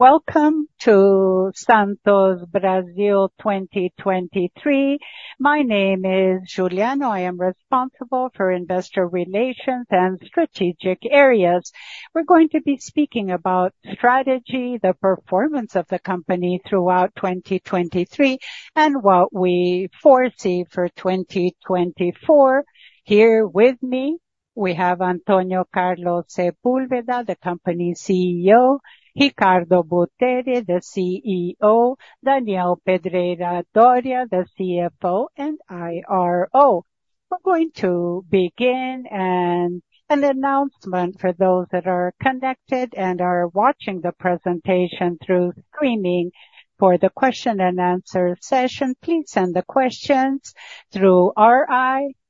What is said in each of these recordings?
Welcome to Santos Brasil 2023. My name is Juliano. I am responsible for investor relations and strategic areas. We're going to be speaking about strategy, the performance of the company throughout 2023, and what we foresee for 2024. Here with me, we have Antônio Carlos Sepúlveda, the company's CEO, Ricardo Buteri, the CCO, Daniel Pedreira Dorea, the CFO and IRO. We're going to begin with an announcement for those that are connected and are watching the presentation through screening for the question and answer session. Please send the questions through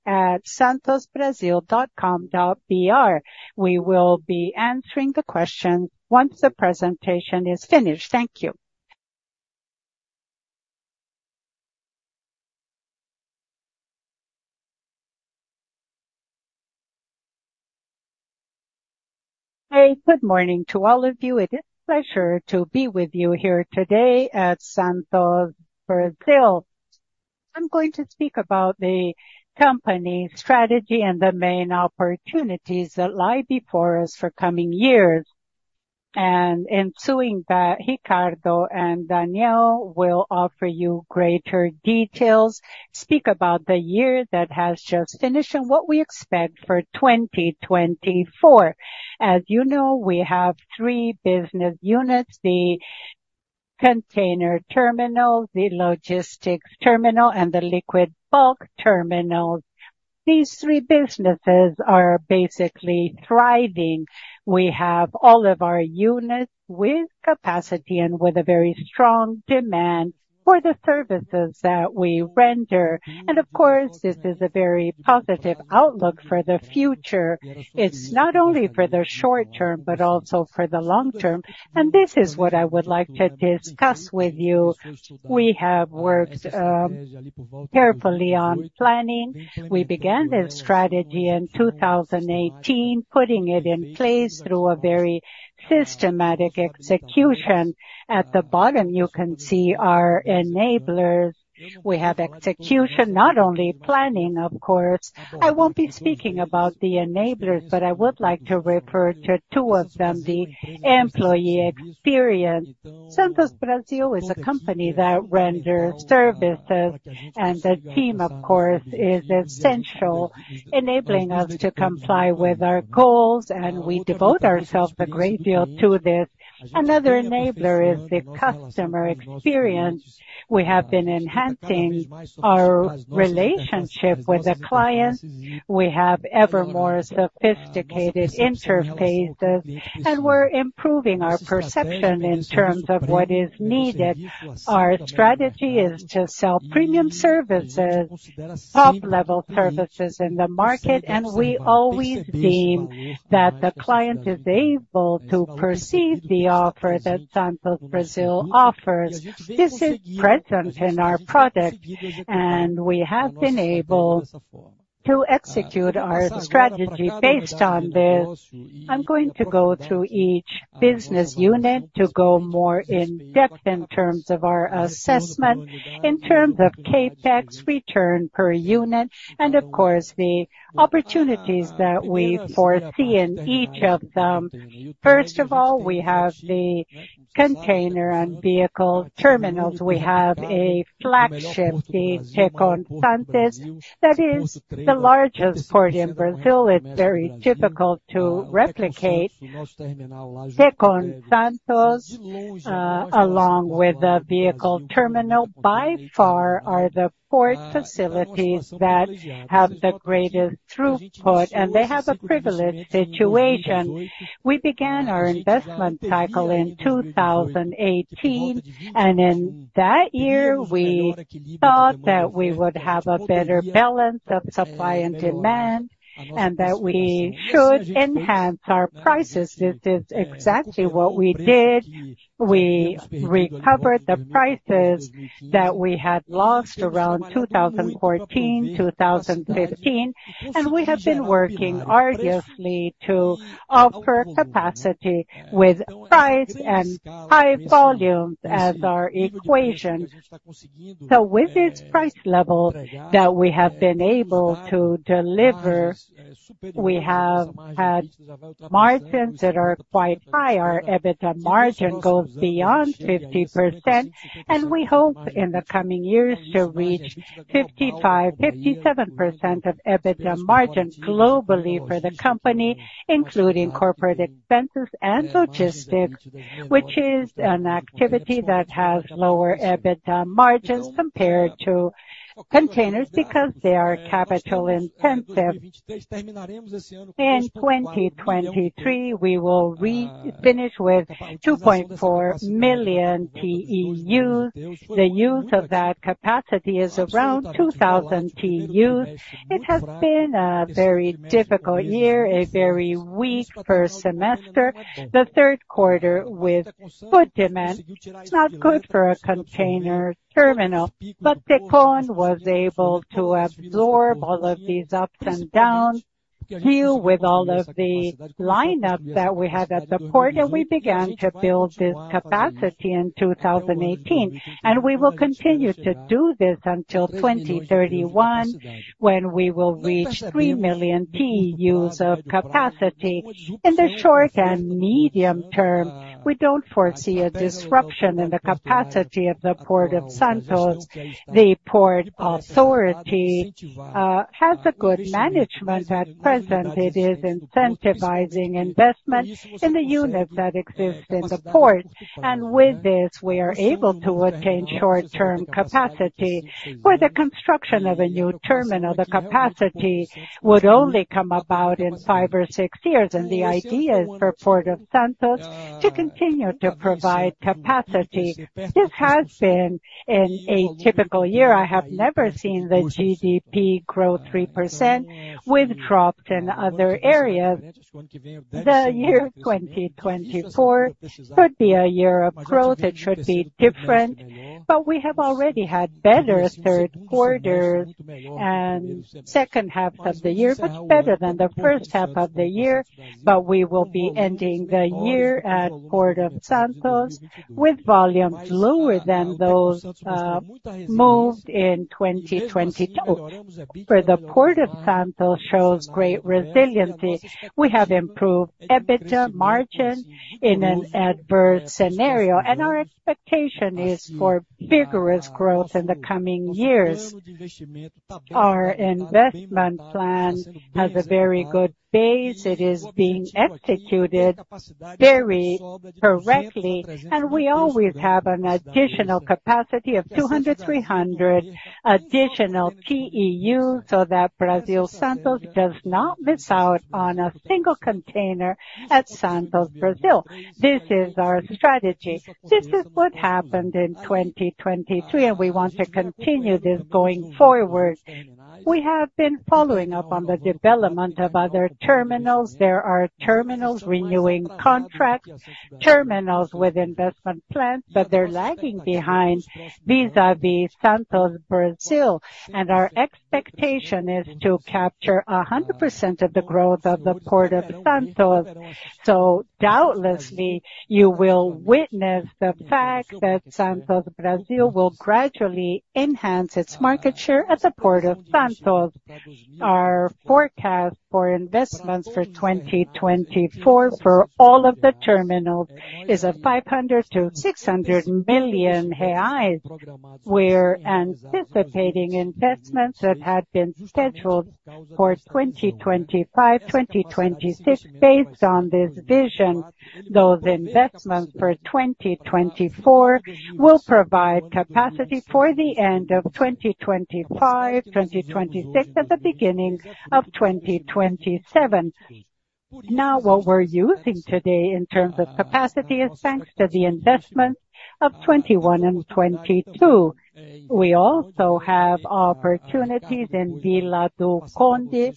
ri@santosbrazil.com.br. We will be answering the question once the presentation is finished. Thank you. Hey, good morning to all of you. It is a pleasure to be with you here today at Santos Brasil. I'm going to speak about the company's strategy and the main opportunities that lie before us for coming years, and ensuing that, Ricardo and Daniel will offer you greater details. Speak about the year that has just finished and what we expect for 2024. As you know, we have three business units, the Container Terminal, the Logistics Terminal, and the Liquid Bulk Terminal. These three businesses are basically thriving. We have all of our units with capacity and with a very strong demand for the services that we render. And of course, this is a very positive outlook for the future. It's not only for the short term, but also for the long term, and this is what I would like to discuss with you. We have worked carefully on planning. We began this strategy in 2018, putting it in place through a very systematic execution. At the bottom, you can see our enablers. We have execution, not only planning, of course. I won't be speaking about the enablers, but I would like to refer to two of them, the employee experience. Santos Brasil is a company that renders services, and the team, of course, is essential, enabling us to comply with our goals, and we devote ourselves a great deal to this. Another enabler is the customer experience. We have been enhancing our relationship with the clients. We have ever more sophisticated interfaces, and we're improving our perception in terms of what is needed. Our strategy is to sell premium services, top-level services in the market, and we always seen that the client is able to perceive the offer that Santos Brasil offers. This is present in our product, and we have been able to execute our strategy based on this. I'm going to go through each business unit to go more in-depth in terms of our assessment, in terms of CapEx, return per unit, and of course, the opportunities that we foresee in each of them. First of all, we have the Container and Vehicle Terminals. We have a flagship, the Tecon Santos. That is the largest port in Brazil. It's very difficult to replicate. Tecon Santos, along with the vehicle terminal, by far, are the port facilities that have the greatest throughput, and they have a privileged situation. We began our investment cycle in 2018, and in that year, we thought that we would have a better balance of supply and demand, and that we should enhance our prices. This is exactly what we did. We recovered the prices that we had lost around 2014, 2015, and we have been working arduously to offer capacity with price and high volume as our equation. So with this price level that we have been able to deliver, we have had margins that are quite high. Our EBITDA margin goes beyond 50%, and we hope in the coming years to reach 55%-57% of EBITDA margin globally for the company, including corporate expenses and logistics, which is an activity that has lower EBITDA margins compared to containers because they are capital-intensive. In 2023, we will finish with 2.4 million TEUs. The use of that capacity is around 2,000 TEUs. It has been a very difficult year, a very weak first semester, the third quarter with good demand. It's not good for a Container Terminal, but Tecon was able to absorb all of these ups and downs, deal with all of the lineup that we had at the port, and we began to build this capacity in 2018. And we will continue to do this until 2031, when we will reach 3 million TEUs of capacity. In the short and medium term, we don't foresee a disruption in the capacity of the Port of Santos. The Port Authority has a good management. At present, it is incentivizing investment in the units that exist in the port, and with this, we are able to obtain short-term capacity, where the construction of a new terminal, the capacity would only come about in five or six years, and the idea is for Port of Santos to continue to provide capacity. This has been an atypical year. I have never seen the GDP grow 3% with drops in other areas. The year 2024 could be a year of growth. It should be different, but we have already had better third quarter and second half of the year, much better than the first half of the year, but we will be ending the year at Port of Santos with volumes lower than those moved in 2022. For the Port of Santos shows great resiliency. We have improved EBITDA margin in an adverse scenario, and our expectation is for vigorous growth in the coming years. Our investment plan has a very good base. It is being executed very correctly, and we always have an additional capacity of 200-300 additional TEU, so that Santos Brasil does not miss out on a single container at Santos, Brazil. This is our strategy. This is what happened in 2023, and we want to continue this going forward. We have been following up on the development of other terminals. There are terminals renewing contracts, terminals with investment plans, but they're lagging behind vis-à-vis Santos Brasil, and our expectation is to capture 100% of the growth of the Port of Santos. So doubtlessly, you will witness the fact that Santos Brasil will gradually enhance its market share at the Port of Santos. Our forecast for investments for 2024 for all of the terminals is 500 million-600 million reais. We're anticipating investments that had been scheduled for 2025, 2026, based on this vision. Those investments for 2024 will provide capacity for the end of 2025, 2026, and the beginning of 2027. Now, what we're using today in terms of capacity is thanks to the investment of 2021 and 2022. We also have opportunities in Vila do Conde.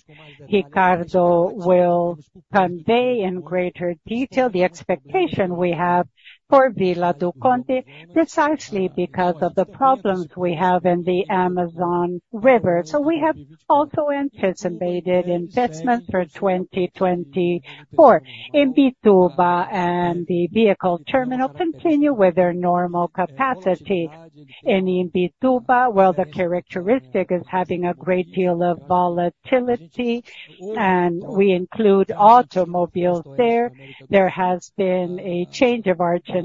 Ricardo will convey in greater detail the expectation we have for Vila do Conde, precisely because of the problems we have in the Amazon River. So we have also anticipated investments for 2024. Imbituba and the Vehicle Terminal continue with their normal capacity. In Imbituba, well, the characteristic is having a great deal of volatility, and we include automobiles there. There has been a change of Argentina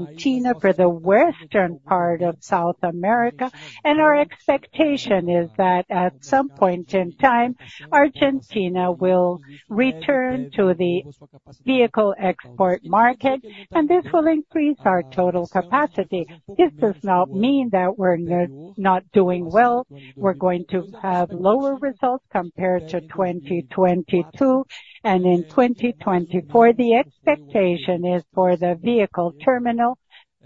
for the western part of South America, and our expectation is that at some point in time, Argentina will return to the vehicle export market, and this will increase our total capacity. This does not mean that we're not doing well. We're going to have lower results compared to 2022, and in 2024, the expectation is for the Vehicle Terminal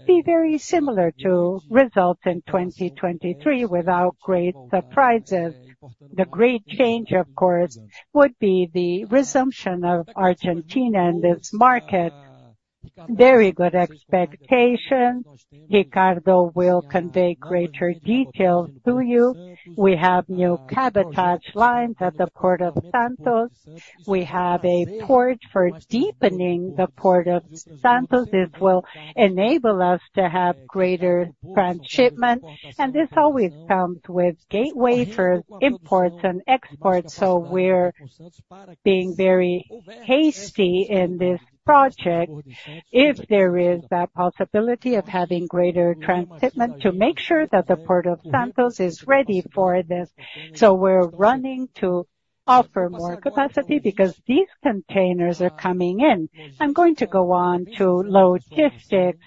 be very similar to results in 2023 without great surprises. The great change, of course, would be the resumption of Argentina in this market. Very good expectation. Ricardo will convey greater details to you. We have new cabotage lines at the Port of Santos. We have a port for deepening the Port of Santos. This will enable us to have greater transshipment, and this always comes with gateway for imports and exports, so we're being very hasty in this project. If there is that possibility of having greater transshipment, to make sure that the Port of Santos is ready for this. So we're running to offer more capacity because these containers are coming in. I'm going to go on to Logistics.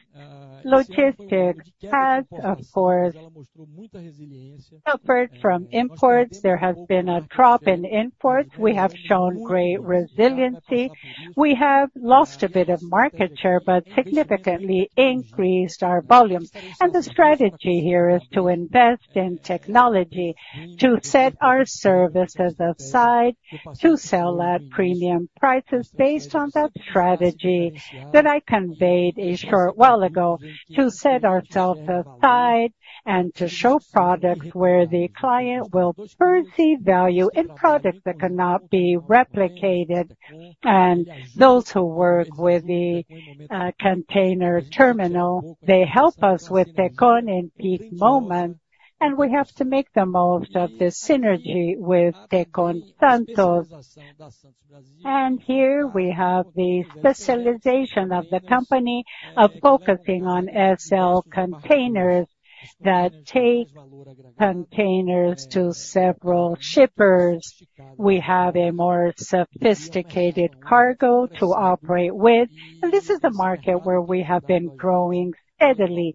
Logistics has, of course, suffered from imports. There has been a drop in imports. We have shown great resiliency. We have lost a bit of market share, but significantly increased our volumes. The strategy here is to invest in technology, to set our services aside, to sell at premium prices based on that strategy that I conveyed a short while ago, to set ourselves aside and to show products where the client will first see value in products that cannot be replicated. Those who work with the Container Terminal, they help us with the cone in peak moments. We have to make the most of this synergy with Tecon Santos. Here we have the specialization of the company of focusing on LCL containers, that take containers to several shippers. We have a more sophisticated cargo to operate with, and this is the market where we have been growing steadily.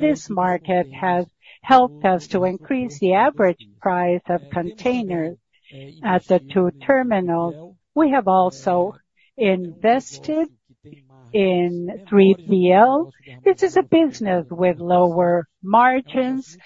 This market has helped us to increase the average price of containers at the two terminals. We have also invested in 3PL. This is a business with lower margins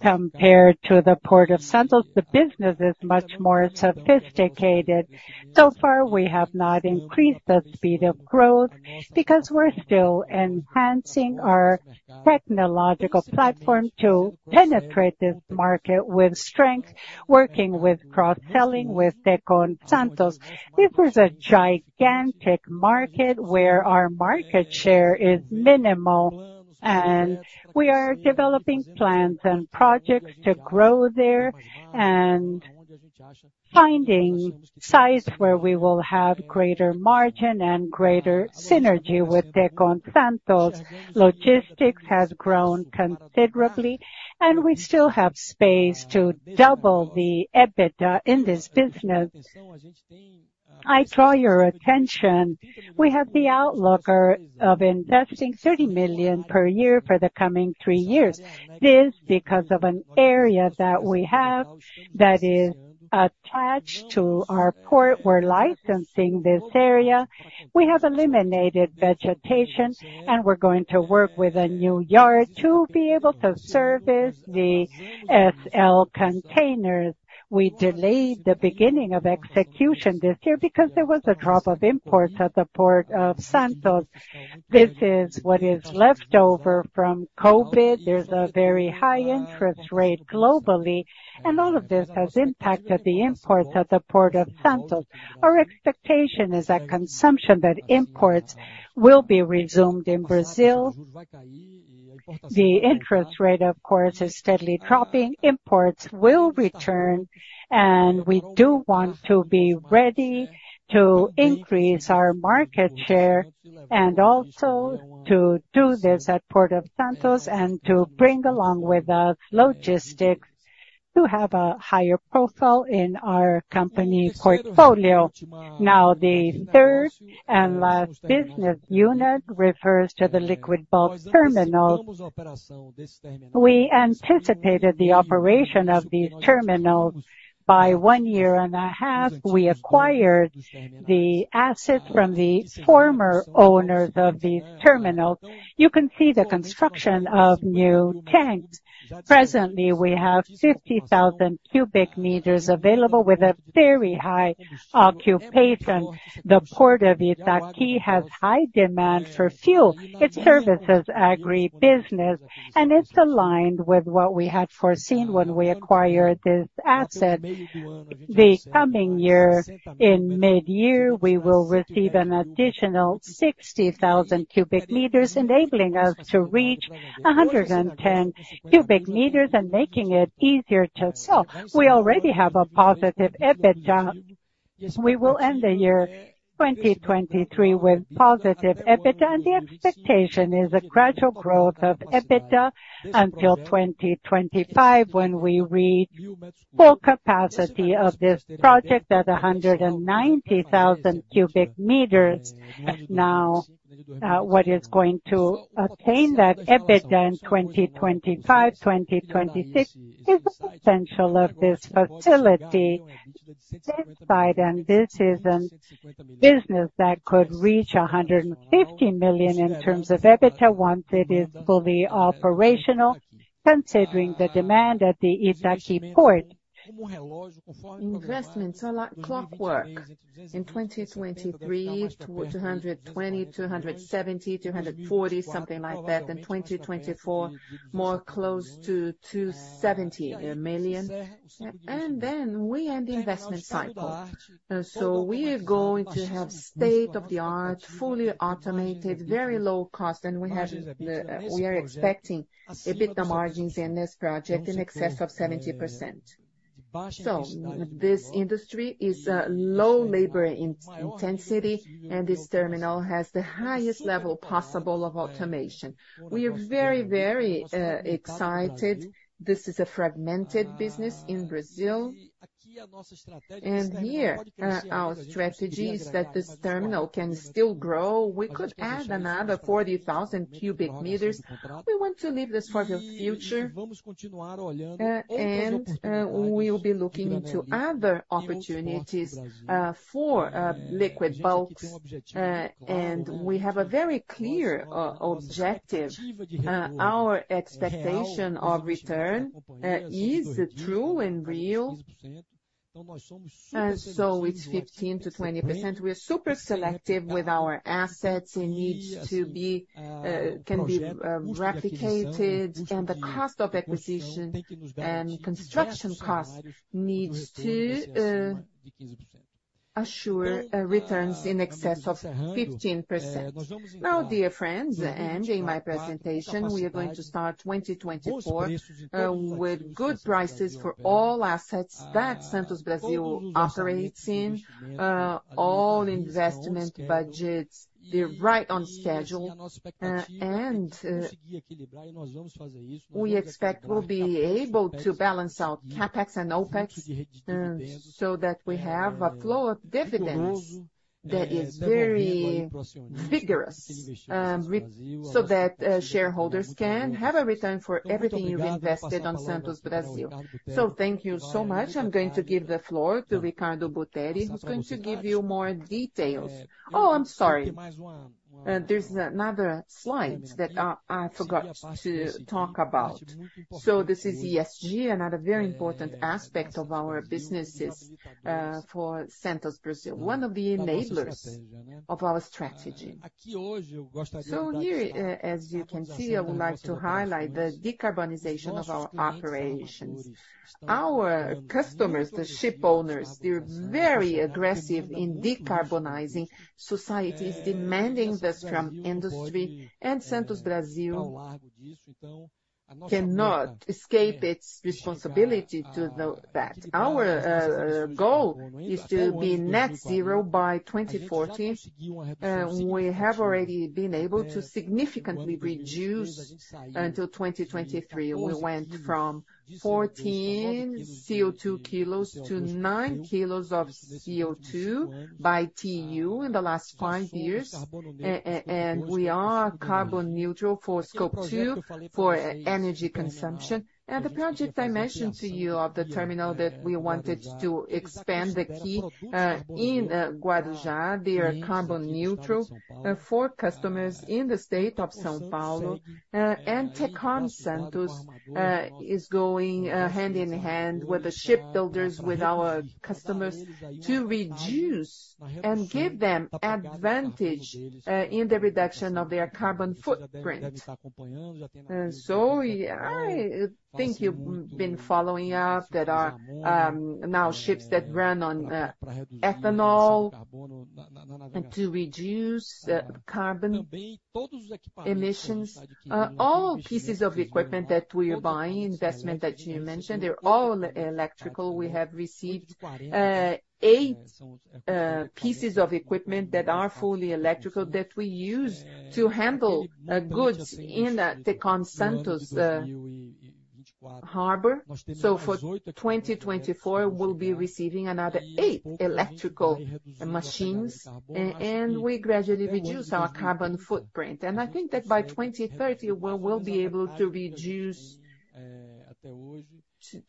compared to the Port of Santos. The business is much more sophisticated. So far, we have not increased the speed of growth, because we're still enhancing our technological platform to penetrate this market with strength, working with cross-selling with Tecon Santos. This is a gigantic market, where our market share is minimal, and we are developing plans and projects to grow there and finding sites where we will have greater margin and greater synergy with Tecon Santos. Logistics has grown considerably, and we still have space to double the EBITDA in this business. I draw your attention, we have the outline of investing 30 million per year for the coming 3 years. This, because of an area that we have, that is attached to our port. We're licensing this area. We have eliminated vegetation, and we're going to work with a new yard to be able to service the FL containers. We delayed the beginning of execution this year because there was a drop of imports at the Port of Santos. This is what is left over from COVID. There's a very high interest rate globally, and all of this has impacted the imports at the Port of Santos. Our expectation is that consumption, that imports will be resumed in Brazil. The interest rate, of course, is steadily dropping. Imports will return, and we do want to be ready to increase our market share and also to do this at Port of Santos and to bring along with us logistics, to have a higher profile in our company portfolio. Now, the third and last business unit refers to the Liquid Bulk Terminals. We anticipated the operation of these terminals by one and a half years. We acquired the assets from the former owners of these terminals. You can see the construction of new tanks. Presently, we have 50,000 cubic meters available with a very high occupation. The Port of Itaqui has high demand for fuel. It services agribusiness, and it's aligned with what we had foreseen when we acquired this asset. The coming year, in midyear, we will receive an additional 60,000 cubic meters, enabling us to reach 110 cubic meters and making it easier to sell. We already have a positive EBITDA. We will end the year 2023 with positive EBITDA, and the expectation is a gradual growth of EBITDA until 2025, when we reach full capacity of this project at 190,000 cubic meters. Now, what is going to attain that EBITDA in 2025, 2026, is the potential of this facility. This side and this is a business that could reach 150 million in terms of EBITDA, once it is fully operational, considering the demand at the Itaqui port. Investments are like clockwork. In 2023, 220 million, 270 million, BLR 240 million, something like that. In 2024, more close to 270 million, and then we end the investment cycle. So we are going to have state-of-the-art, fully automated, very low cost, and we are expecting EBITDA margins in this project in excess of 70%. So this industry is a low labor intensity, and this terminal has the highest level possible of automation. We are very, very excited. This is a fragmented business in Brazil. And here, our strategy is that this terminal can still grow. We could add another 40,000 cubic meters. We want to leave this for the future, and we will be looking into other opportunities for Liquid Bulks. And we have a very clear objective. Our expectation of return is true and real. So it's 15%-20%. We are super selective with our assets. It needs to be can be replicated, and the cost of acquisition and construction cost needs to assure returns in excess of 15%. Now, dear friends, ending my presentation, we are going to start 2024 with good prices for all assets that Santos Brasil operates in. All investment budgets, they're right on schedule. And we expect we'll be able to balance out CapEx and OpEx, so that we have a flow of dividends that is very vigorous, so that shareholders can have a return for everything you've invested on Santos Brasil. So thank you so much. I'm going to give the floor to Ricardo Buteri, who's going to give you more details. Oh, I'm sorry. There's another slide that I forgot to talk about. So this is ESG, another very important aspect of our businesses for Santos Brasil, one of the enablers of our strategy. So here, as you can see, I would like to highlight the decarbonization of our operations. Our customers, the shipowners, they're very aggressive in decarbonizing. Society is demanding this from industry, and Santos Brasil cannot escape its responsibility to do that. Our goal is to be net zero by 2040. We have already been able to significantly reduce until 2023. We went from 14 CO2 kg to 9 kg of CO2 by TEU in the last five years, and we are carbon neutral for Scope 2 for energy consumption. The project I mentioned to you of the terminal that we wanted to expand the quay in Guarujá, they are carbon neutral for customers in the state of São Paulo. And Tecon Santos is going hand in hand with the shipbuilders, with our customers, to reduce and give them advantage in the reduction of their carbon footprint. So I think you've been following up that there are now ships that run on ethanol, and to reduce the carbon emissions. All pieces of equipment that we are buying, investment that you mentioned, they're all electrical. We have received eight pieces of equipment that are fully electrical that we use to handle goods in the Tecon Santos Harbor. For 2024, we'll be receiving another eight electrical machines, and we gradually reduce our carbon footprint. I think that by 2030, we will be able to reduce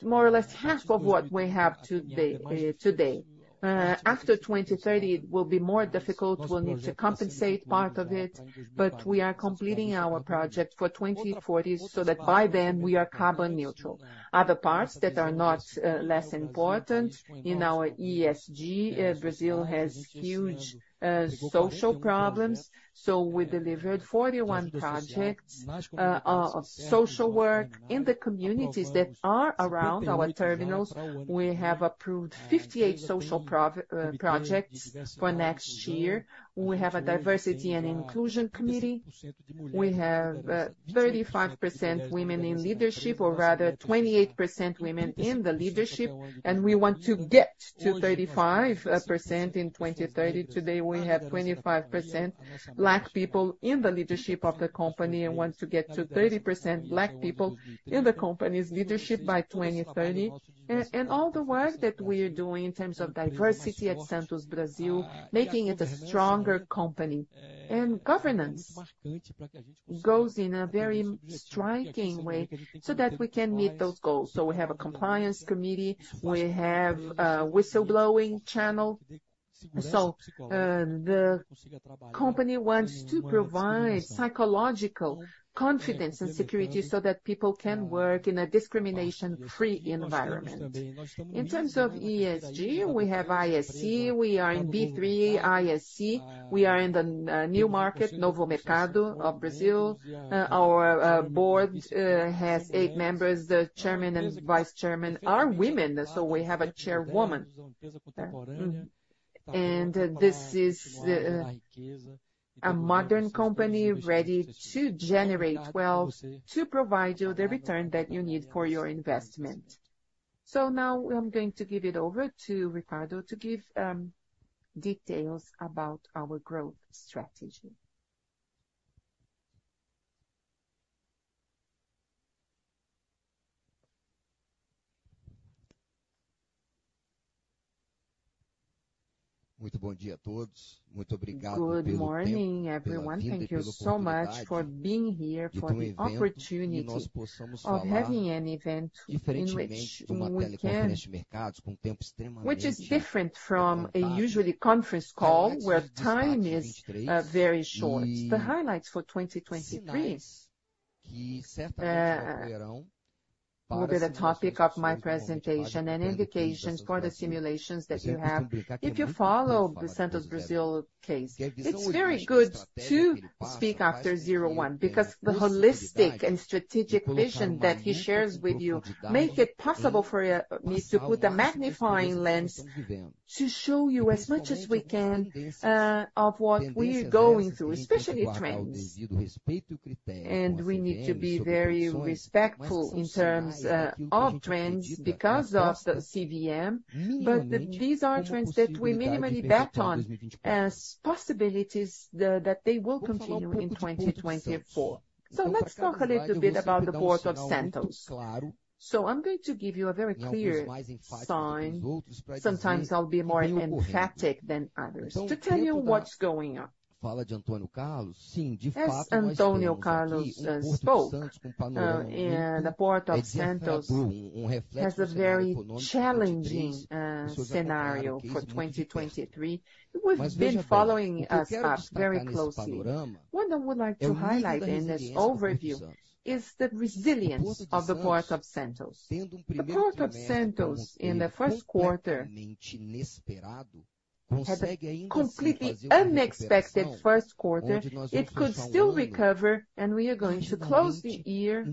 more or less half of what we have today, today. After 2030, it will be more difficult. We'll need to compensate part of it, but we are completing our project for 2040, so that by then we are carbon neutral. Other parts that are not less important in our ESG, Brazil has huge social problems. So we delivered 41 projects of social work in the communities that are around our terminals. We have approved 58 social projects for next year. We have a diversity and inclusion committee. We have 35% women in leadership, or rather 28% women in the leadership, and we want to get to 35% in 2030. Today, we have 25% Black people in the leadership of the company and want to get to 30% Black people in the company's leadership by 2030. And all the work that we are doing in terms of diversity at Santos Brasil, making it a stronger company. And governance goes in a very striking way so that we can meet those goals. So we have a compliance committee, we have a whistleblowing channel. So, the company wants to provide psychological confidence and security so that people can work in a discrimination-free environment. In terms of ESG, we have ISE. We are in B3 ISE. We are in the New Market, Novo Mercado of Brazil. Our board has eight members. The chairman and vice chairman are women, so we have a chairwoman. This is a modern company ready to generate wealth, to provide you the return that you need for your investment. So now I'm going to give it over to Ricardo to give details about our growth strategy. Good morning, everyone, and thank you so much for being here, for the opportunity of having an event in which we can, which is different from a usual conference call, where time is very short. The highlights for 2023 will be the topic of my presentation and indications for the simulations that you have. If you follow the Santos Brasil case, it's very good to speak after one, because the holistic and strategic vision that he shares with you make it possible for me to put a magnifying lens to show you as much as we can of what we're going through, especially trends. We need to be very respectful in terms of trends because of the CVM, but these are trends that we minimally bet on as possibilities, that they will continue in 2024. So let's talk a little bit about the Port of Santos. So I'm going to give you a very clear sign. Sometimes I'll be more emphatic than others, to tell you what's going on. As Antônio Carlos spoke, and the Port of Santos has a very challenging scenario for 2023. It was been following us up very closely. What I would like to highlight in this overview is the resilience of the Port of Santos. The Port of Santos, in the first quarter, had a completely unexpected first quarter. It could still recover, and we are going to close the year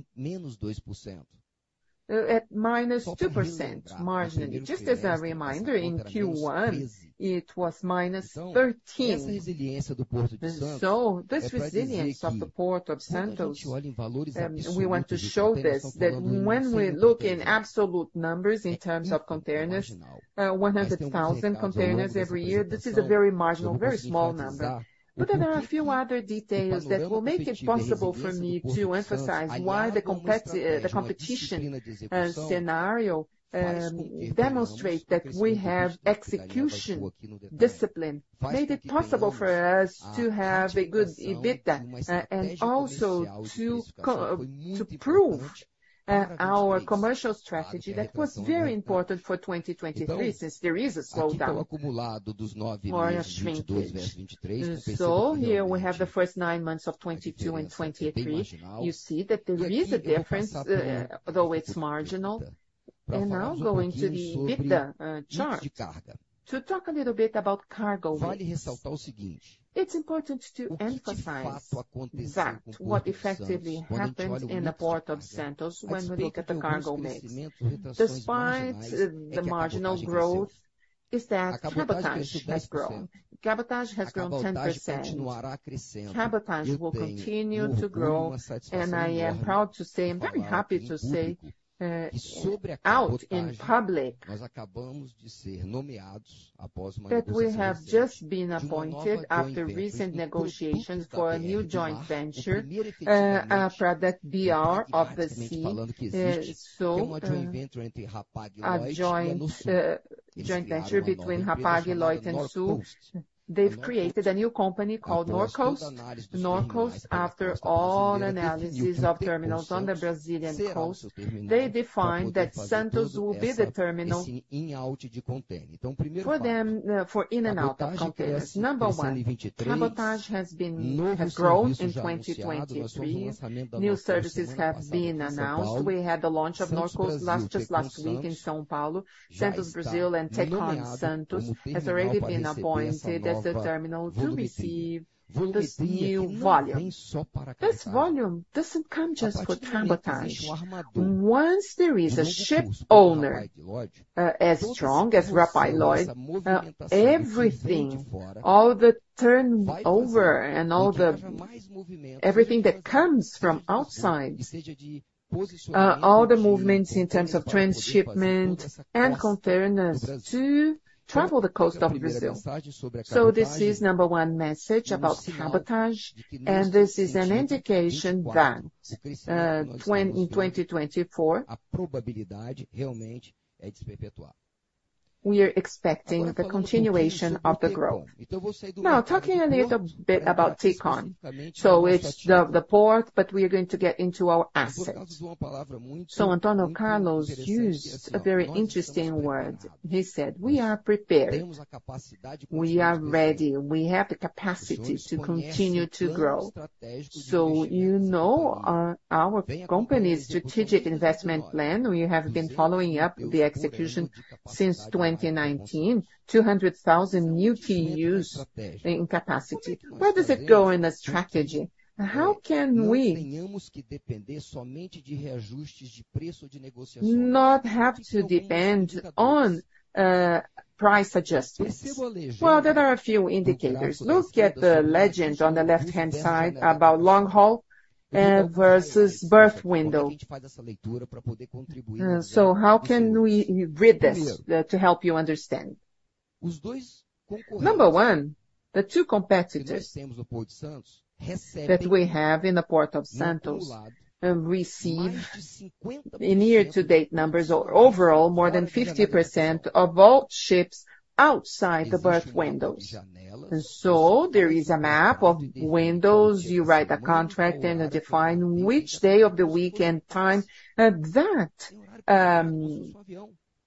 at -2% margin. Just as a reminder, in Q1, it was -13%. And so this resilience of the Port of Santos, we want to show this, that when we look in absolute numbers in terms of containers, 100,000 containers every year, this is a very marginal, very small number. But there are a few other details that will make it possible for me to emphasize why the competition scenario demonstrate that we have execution discipline, made it possible for us to have a good EBITDA, and also to prove our commercial strategy that was very important for 2023, since there is a slowdown or a shrinkage. So here we have the first nine months of 2022 and 2023. You see that there is a difference, though it's marginal. Now going to the EBITDA chart, to talk a little bit about cargo rates. It's important to emphasize that what effectively happened in the Port of Santos when we look at the cargo mix, despite the marginal growth, is that cabotage has grown. Cabotage has grown 10%. Cabotage will continue to grow, and I am proud to say, I'm very happy to say, out in public, that we have just been appointed after recent negotiations for a new joint venture, Project BR of the Sea. A joint venture between Hapag-Lloyd and Norsul. They've created a new company called Norcoast. Norcoast, after all analyses of terminals on the Brazilian coast, they defined that Santos will be the terminal for them, for in and out of containers. Number one, cabotage has grown in 2023. New services have been announced. We had the launch of Norcoast just last week in São Paulo, Santos, Brazil, and Tecon Santos has already been appointed as the terminal to receive this new volume. This volume doesn't come just for cabotage. Once there is a ship owner as strong as Hapag-Lloyd, everything, all the turnover and all the everything that comes from outside, all the movements in terms of transshipment and containers to travel the coast of Brazil. So this is number one message about cabotage, and this is an indication that in 2024, we are expecting the continuation of the growth. Now, talking a little bit about Tecon. So it's the port, but we are going to get into our assets. So Antônio Carlos used a very interesting word. He said, "We are prepared, we are ready, we have the capacity to continue to grow." So you know, our, our company's strategic investment plan, we have been following up the execution since 2019, 200,000 new TEUs in capacity. Where does it go in the strategy? How can we not have to depend on price adjustments? Well, there are a few indicators. Look at the legend on the left-hand side about long haul versus berth window. So how can we read this to help you understand? Number one, the two competitors that we have in the Port of Santos receive in year-to-date numbers or overall, more than 50% of all ships outside the berth windows. And so there is a map of windows. You write a contract and define which day of the week and time that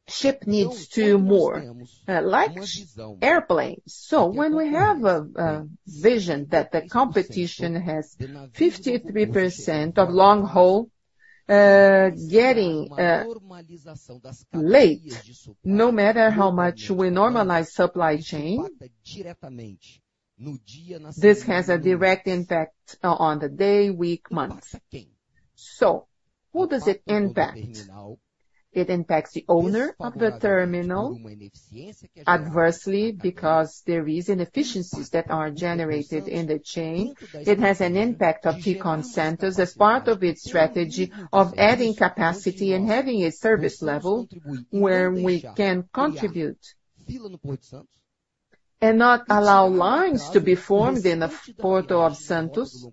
ship needs to moor, like airplanes. So when we have a vision that the competition has 53% of long haul getting late, no matter how much we normalize supply chain, this has a direct impact on the day, week, months. So who does it impact? It impacts the owner of the terminal adversely, because there is inefficiencies that are generated in the chain. It has an impact on Tecon Santos as part of its strategy of adding capacity and having a service level where we can contribute, and not allow lines to be formed in the Port of Santos,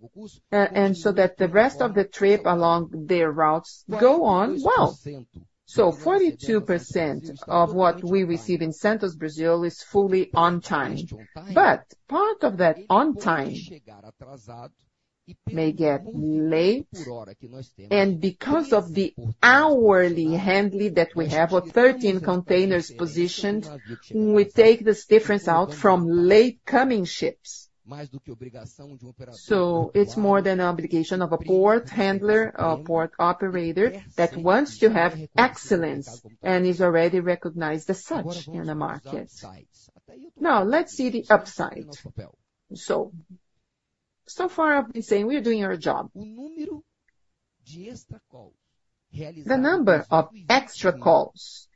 and so that the rest of the trip along their routes go on well. So 42% of what we receive in Santos, Brazil, is fully on time, but part of that on time may get late, and because of the hourly handling that we have of 13 containers positioned, we take this difference out from late-coming ships. So it's more than an obligation of a port handler, a port operator that wants to have excellence and is already recognized as such in the market. Now, let's see the upside. So, so far I've been saying we are doing our job. The number of extra calls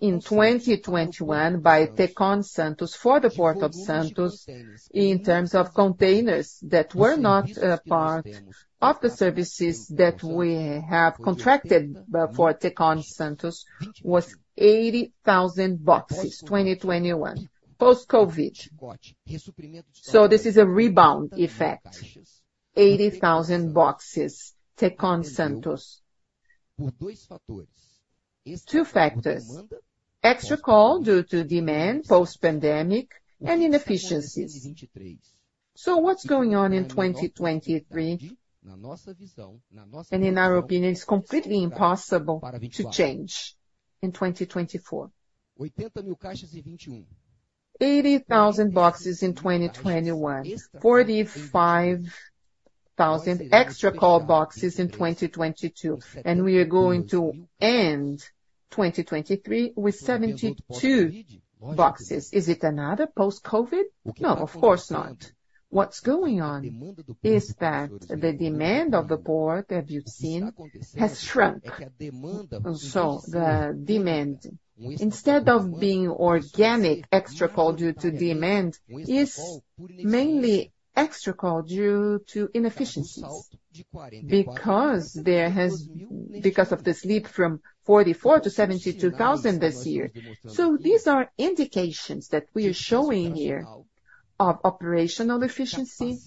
in 2021 by Tecon Santos for the Port of Santos, in terms of containers that were not a part of the services that we have contracted for Tecon Santos, was 80,000 boxes, 2021, post-COVID. So this is a rebound effect. 80,000 boxes, Tecon Santos. Two factors: extra call due to demand, post-pandemic and inefficiencies. So what's going on in 2023? And in our opinion, it's completely impossible to change in 2024. 80,000 boxes in 2021, 45,000 extra call boxes in 2022, and we are going to end 2023 with 72,000 boxes. Is it another post-COVID? No, of course not. What's going on is that the demand of the port, as you've seen, has shrunk. So the demand, instead of being organic, extra call due to demand, is mainly extra call due to inefficiencies, because of this leap from 44,000 to 72,000 this year. So these are indications that we are showing here of operational efficiency,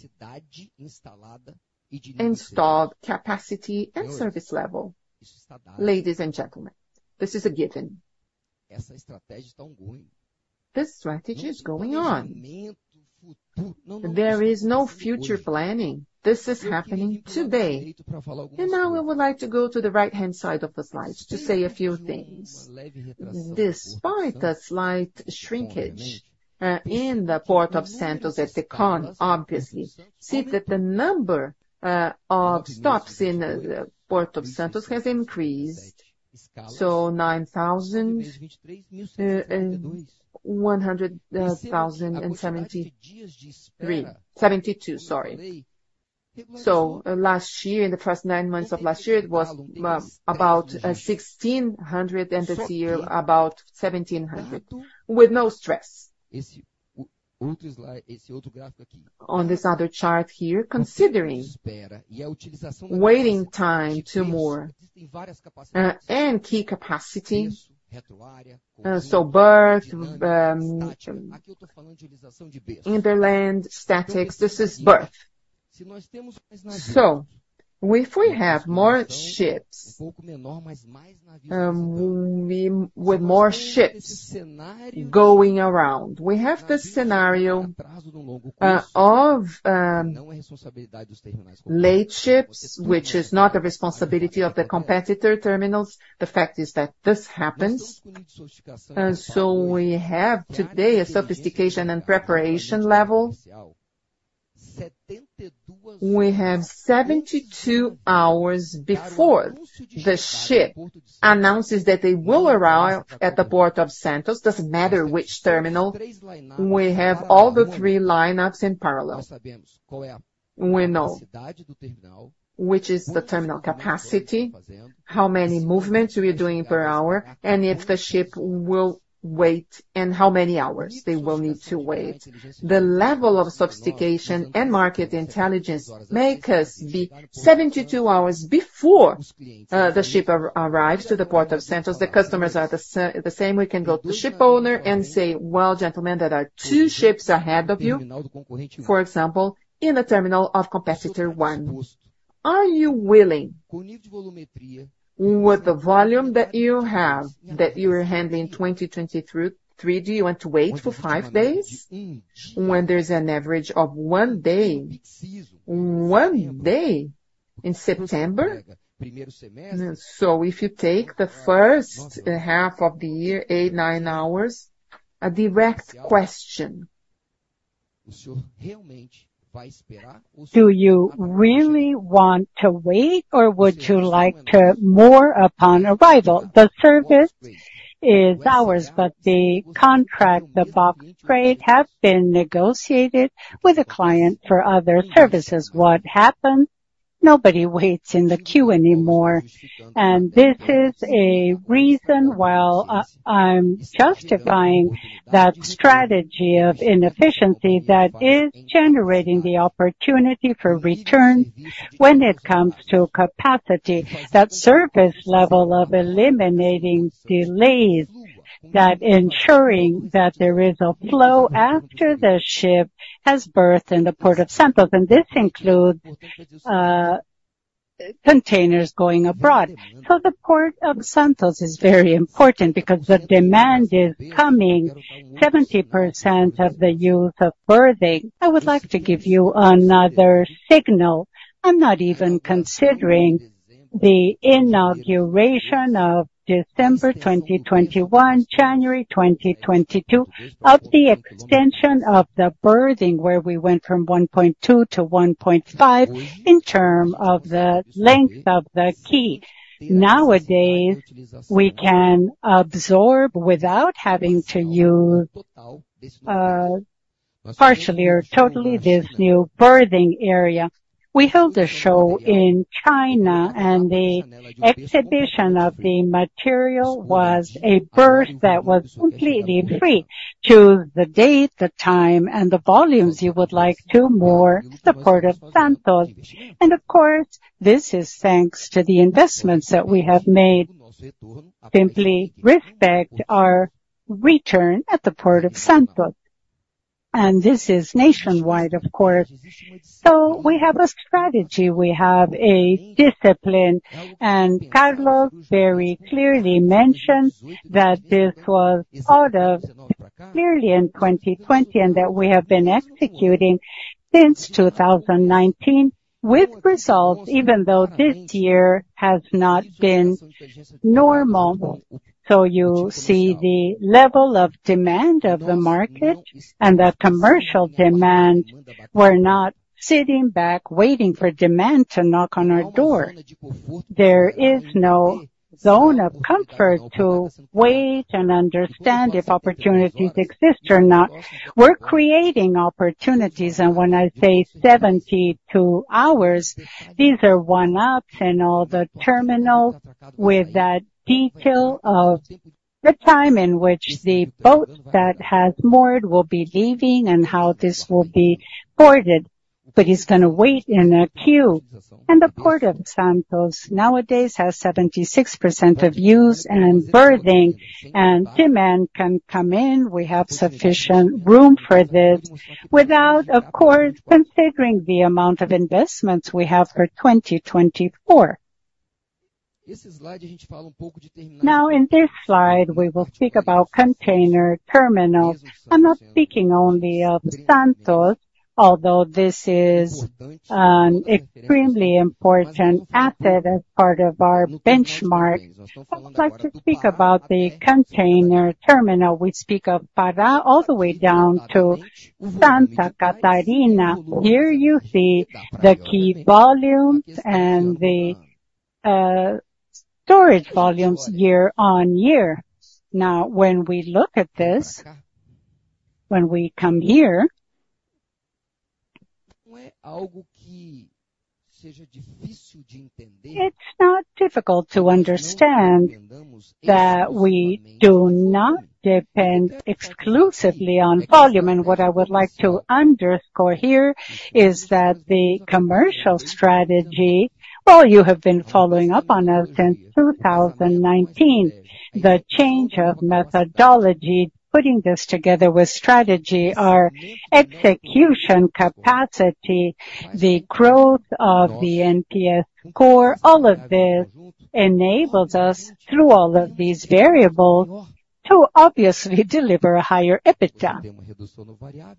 installed capacity and service level. Ladies and gentlemen, this is a given. This strategy is going on. There is no future planning. This is happening today, and now I would like to go to the right-hand side of the slide to say a few things. Despite a slight shrinkage in the Port of Santos at Tecon, obviously, see that the number of stops in the Port of Santos has increased, so 9,000 and 100,000 and 73, 72, sorry. So last year, in the first nine months of last year, it was about 1,600, and this year, about 1,700, with no stress. On this other chart here, considering waiting time to moor and quay capacity, so berth, hinterland, stacking, this is berth. So if we have more ships with more ships going around, we have this scenario of late ships, which is not a responsibility of the competitor terminals. The fact is that this happens, and so we have today a sophistication and preparation level. We have 72 hours before the ship announces that they will arrive at the Port of Santos, doesn't matter which terminal. We have all the three lineups in parallel. We know which is the terminal capacity, how many movements we are doing per hour, and if the ship will wait, and how many hours they will need to wait. The level of sophistication and market intelligence make us be 72 hours before the ship arrives to the Port of Santos. The customers are the same. We can go to the ship owner and say, "Well, gentlemen, there are two ships ahead of you, for example, in a terminal of competitor one. Are you willing, with the volume that you have, that you were handling in 2023, do you want to wait for five days when there's an average of one day, one day in September. So if you take the first half of the year, eight to nine hours, a direct question. Do you really want to wait, or would you like to moor upon arrival? The service is ours, but the contract, the box rate, has been negotiated with a client for other services. What happened? Nobody waits in the queue anymore, and this is a reason why I'm justifying that strategy of inefficiency that is generating the opportunity for return when it comes to capacity. That service level of eliminating delays, that ensuring that there is a flow after the ship has berthed in the Port of Santos, and this includes containers going abroad. So the Port of Santos is very important because the demand is coming 70% of the use of berthing. I would like to give you another signal. I'm not even considering the inauguration of December 2021, January 2022, of the extension of the berthing, where we went from 1.2 to 1.5, in term of the length of the quay. Nowadays, we can absorb without having to use, partially or totally, this new berthing area. We held a show in China, and the exhibition of the material was a berth that was completely free to the date, the time, and the volumes you would like to moor the Port of Santos. And of course, this is thanks to the investments that we have made. Simply respect our return at the Port of Santos, and this is nationwide, of course. So we have a strategy, we have a discipline, and Carlos very clearly mentioned that this was thought of clearly in 2020, and that we have been executing since 2019 with results, even though this year has not been normal. So you see the level of demand of the market and the commercial demand. We're not sitting back, waiting for demand to knock on our door. There is no zone of comfort to wait and understand if opportunities exist or not. We're creating opportunities, and when I say 72 hours, these are one-offs and all the terminals with that detail of the time in which the boat that has moored will be leaving and how this will be boarded. But he's gonna wait in a queue. And the Port of Santos nowadays has 76% of use and berthing and demand can come in. We have sufficient room for this, without, of course, considering the amount of investments we have for 2024. Now, in this slide, we will speak about Container Terminals. I'm not speaking only of Santos, although this is an extremely important asset as part of our benchmark. I'd like to speak about the Container Terminal. We speak of Pará, all the way down to Santa Catarina. Here you see the quay volumes and the storage volumes year-over-year. Now, when we look at this, when we come here, it's not difficult to understand that we do not depend exclusively on volume. And what I would like to underscore here is that the commercial strategy, well, you have been following up on us since 2019. The change of methodology, putting this together with strategy, our execution capacity, the growth of the NPS score, all of this enables us, through all of these variables, to obviously deliver a higher EBITDA.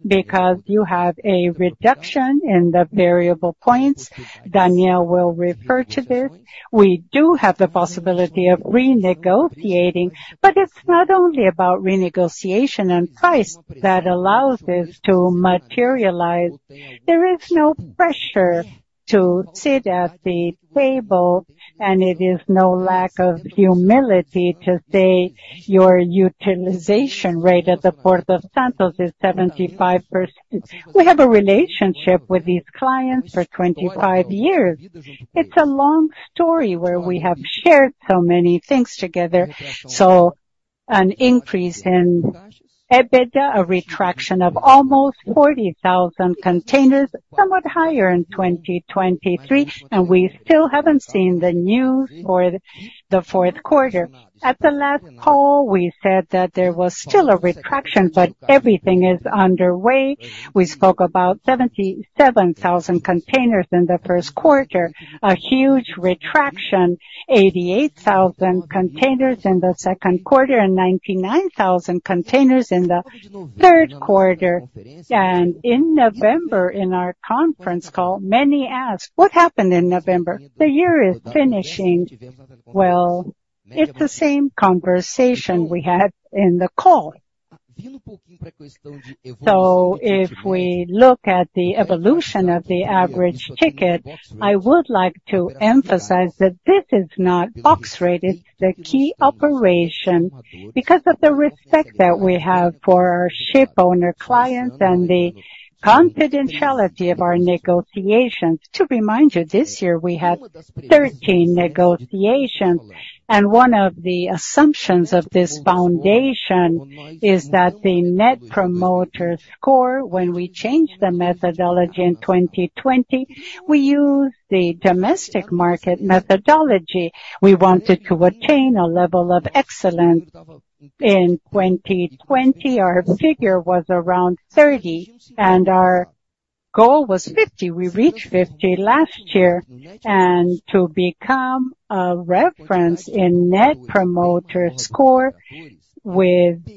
Because you have a reduction in the variable points, Daniel will refer to this. We do have the possibility of renegotiating, but it's not only about renegotiation and price that allows this to materialize. There is no pressure to sit at the table, and it is no lack of humility to say your utilization rate at the Port of Santos is 75%. We have a relationship with these clients for 25 years. It's a long story where we have shared so many things together. So an increase in EBITDA, a retraction of almost 40,000 containers, somewhat higher in 2023, and we still haven't seen the news for the fourth quarter. At the last call, we said that there was still a retraction, but everything is underway. We spoke about 77,000 containers in the first quarter, a huge retraction, 88,000 containers in the second quarter and 99,000 containers in the third quarter. And in November, in our conference call, many asked: What happened in November? The year is finishing. Well, it's the same conversation we had in the call. So if we look at the evolution of the average ticket, I would like to emphasize that this is not box rate, the quay operation, because of the respect that we have for our ship owner, clients, and the confidentiality of our negotiations. To remind you, this year we had 13 negotiations, and one of the assumptions of this foundation is that the Net Promoter Score, when we changed the methodology in 2020, we used the domestic market methodology. We wanted to obtain a level of excellence. In 2020, our figure was around 30, and our goal was 50. We reached 50 last year, and to become a reference in Net Promoter Score with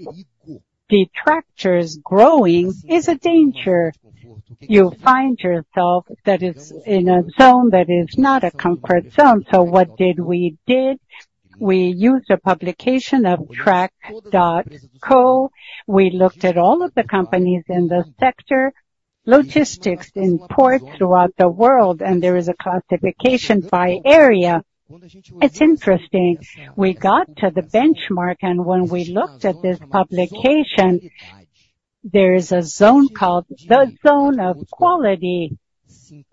detractors growing is a danger. You find yourself that is in a zone that is not a comfort zone. So what did we did? We used a publication of track.co. We looked at all of the companies in the sector, Logistics in ports throughout the world, and there is a classification by area. It's interesting. We got to the benchmark, and when we looked at this publication, there is a zone called the zone of quality, and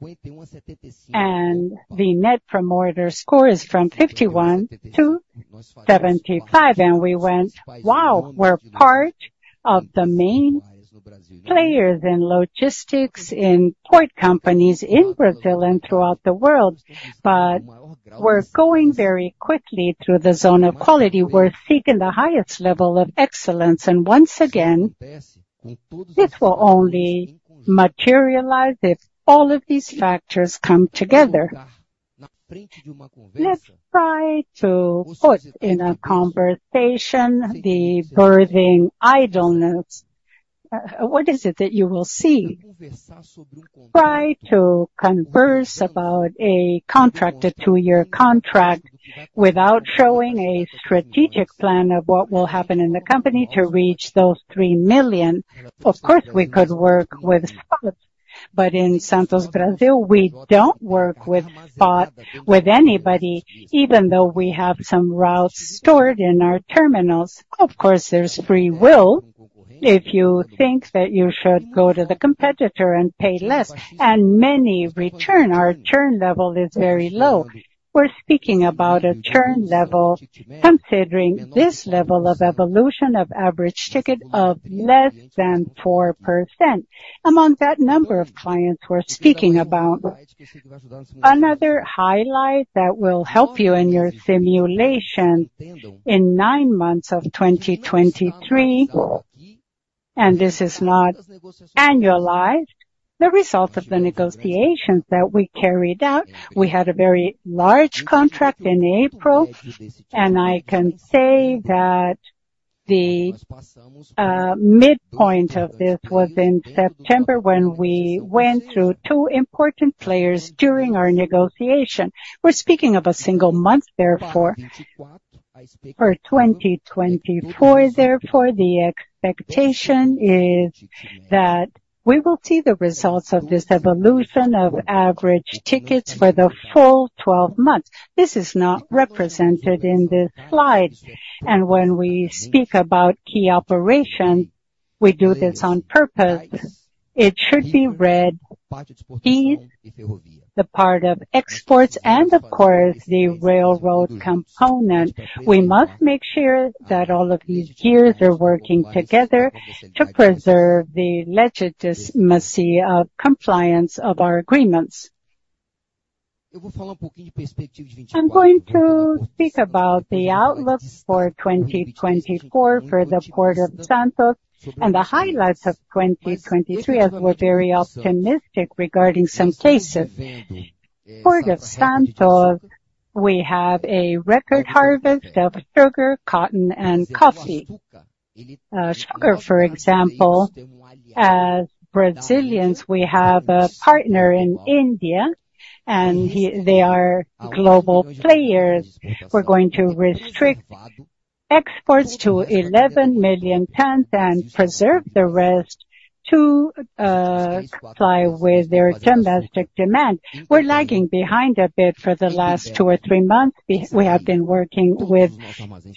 the Net Promoter Score is from 51-75, and we went, "Wow, we're part of the main players in logistics, in port companies in Brazil and throughout the world." But we're going very quickly through the zone of quality. We're seeking the highest level of excellence, and once again, this will only materialize if all of these factors come together. Let's try to put in a conversation the berthing idleness. What is it that you will see? Try to converse about a contract, a two-year contract, without showing a strategic plan of what will happen in the company to reach those 3 million. Of course, we could work with, but in Santos, Brazil, we don't work with boat, with anybody, even though we have some routes stored in our terminals. Of course, there's free will. If you think that you should go to the competitor and pay less, and many return, our churn level is very low. We're speaking about a churn level, considering this level of evolution of average ticket of less than 4%. Among that number of clients, we're speaking about another highlight that will help you in your simulation in nine months of 2023, and this is not annualized, the result of the negotiations that we carried out. We had a very large contract in April, and I can say that the midpoint of this was in September, when we went through two important players during our negotiation. We're speaking of a single month, therefore, for 2024. Therefore, the expectation is that we will see the results of this evolution of average tickets for the full 12 months. This is not represented in the slides, and when we speak about quay operation, we do this on purpose. It should be read, deep, the part of exports, and of course, the railroad component. We must make sure that all of these gears are working together to preserve the legitimacy of compliance of our agreements. I'm going to speak about the outlook for 2024 for the Port of Santos and the highlights of 2023, as we're very optimistic regarding some cases. Port of Santos, we have a record harvest of sugar, cotton, and coffee. Sugar, for example, as Brazilians, we have a partner in India, and they are global players. We're going to restrict exports to 11 million tons and preserve the rest to comply with their domestic demand. We're lagging behind a bit for the last two or three months. We have been working with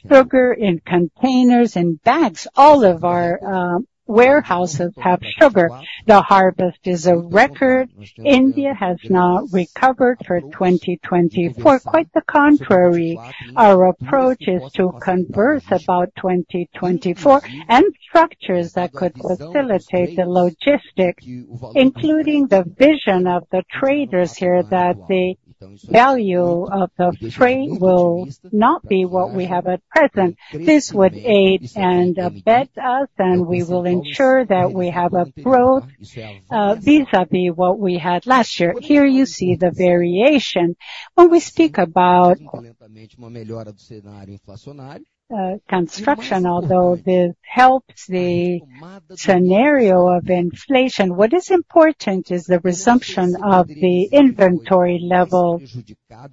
sugar in containers and bags. All of our warehouses have sugar. The harvest is a record. India has now recovered for 2024. Quite the contrary, our approach is to converse about 2024 and structures that could facilitate the logistics, including the vision of the traders here, that the value of the trade will not be what we have at present. This would aid and abet us, and we will ensure that we have a growth vis-a-vis what we had last year. Here you see the variation. When we speak about construction, although this helps the scenario of inflation, what is important is the resumption of the inventory level.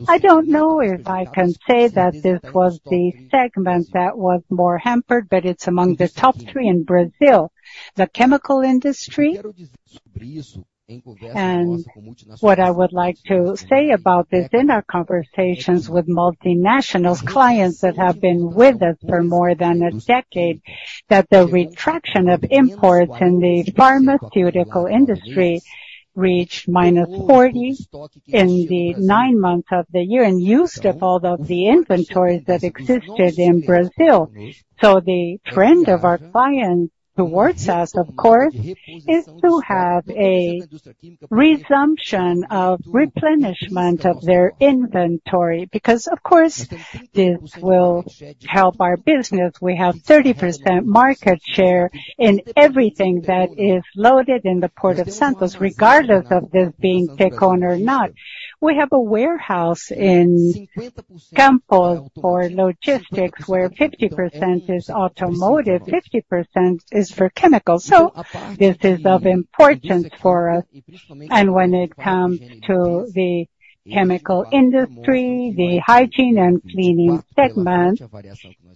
I don't know if I can say that this was the segment that was more hampered, but it's among the top three in Brazil. The chemical industry, and what I would like to say about this in our conversations with multinational clients that have been with us for more than a decade, that the retraction of imports in the pharmaceutical industry reached -40% in the nine months of the year, and used up all of the inventories that existed in Brazil. So the trend of our clients towards us, of course, is to have a resumption of replenishment of their inventory, because, of course, this will help our business. We have 30% market share in everything that is loaded in the Port of Santos, regardless of this being Tecon or not. We have a warehouse in Campos for logistics, where 50% is automotive, 50% is for chemical. This is of importance for us. When it comes to the chemical industry, the hygiene and cleaning segment,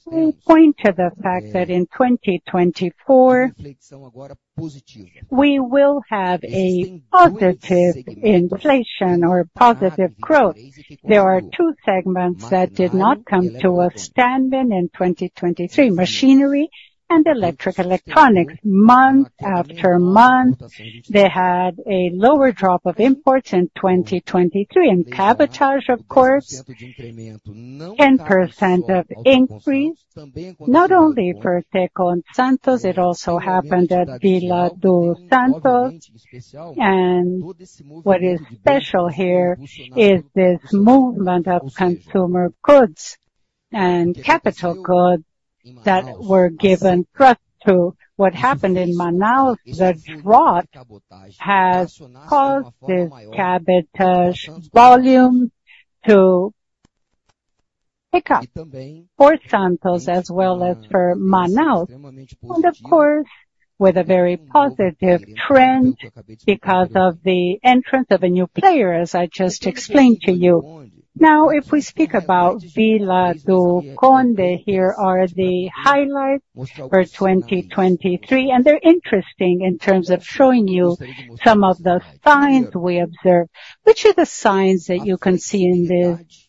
we point to the fact that in 2024, we will have a positive inflation or positive growth. There are two segments that did not come to a standstill in 2023, machinery and electric electronics. Month after month, they had a lower drop of imports in 2023, and cabotage, of course, 10% increase, not only for Tecon Santos, it also happened at Vila do Conde. What is special here is this movement of consumer goods and capital goods that were given thrust to what happened in Manaus. The drought has caused this cabotage volume to pick up for Santos as well as for Manaus, and of course, with a very positive trend because of the entrance of a new player, as I just explained to you. Now, if we speak about Vila do Conde, here are the highlights for 2023, and they're interesting in terms of showing you some of the signs we observed. Which are the signs that you can see in this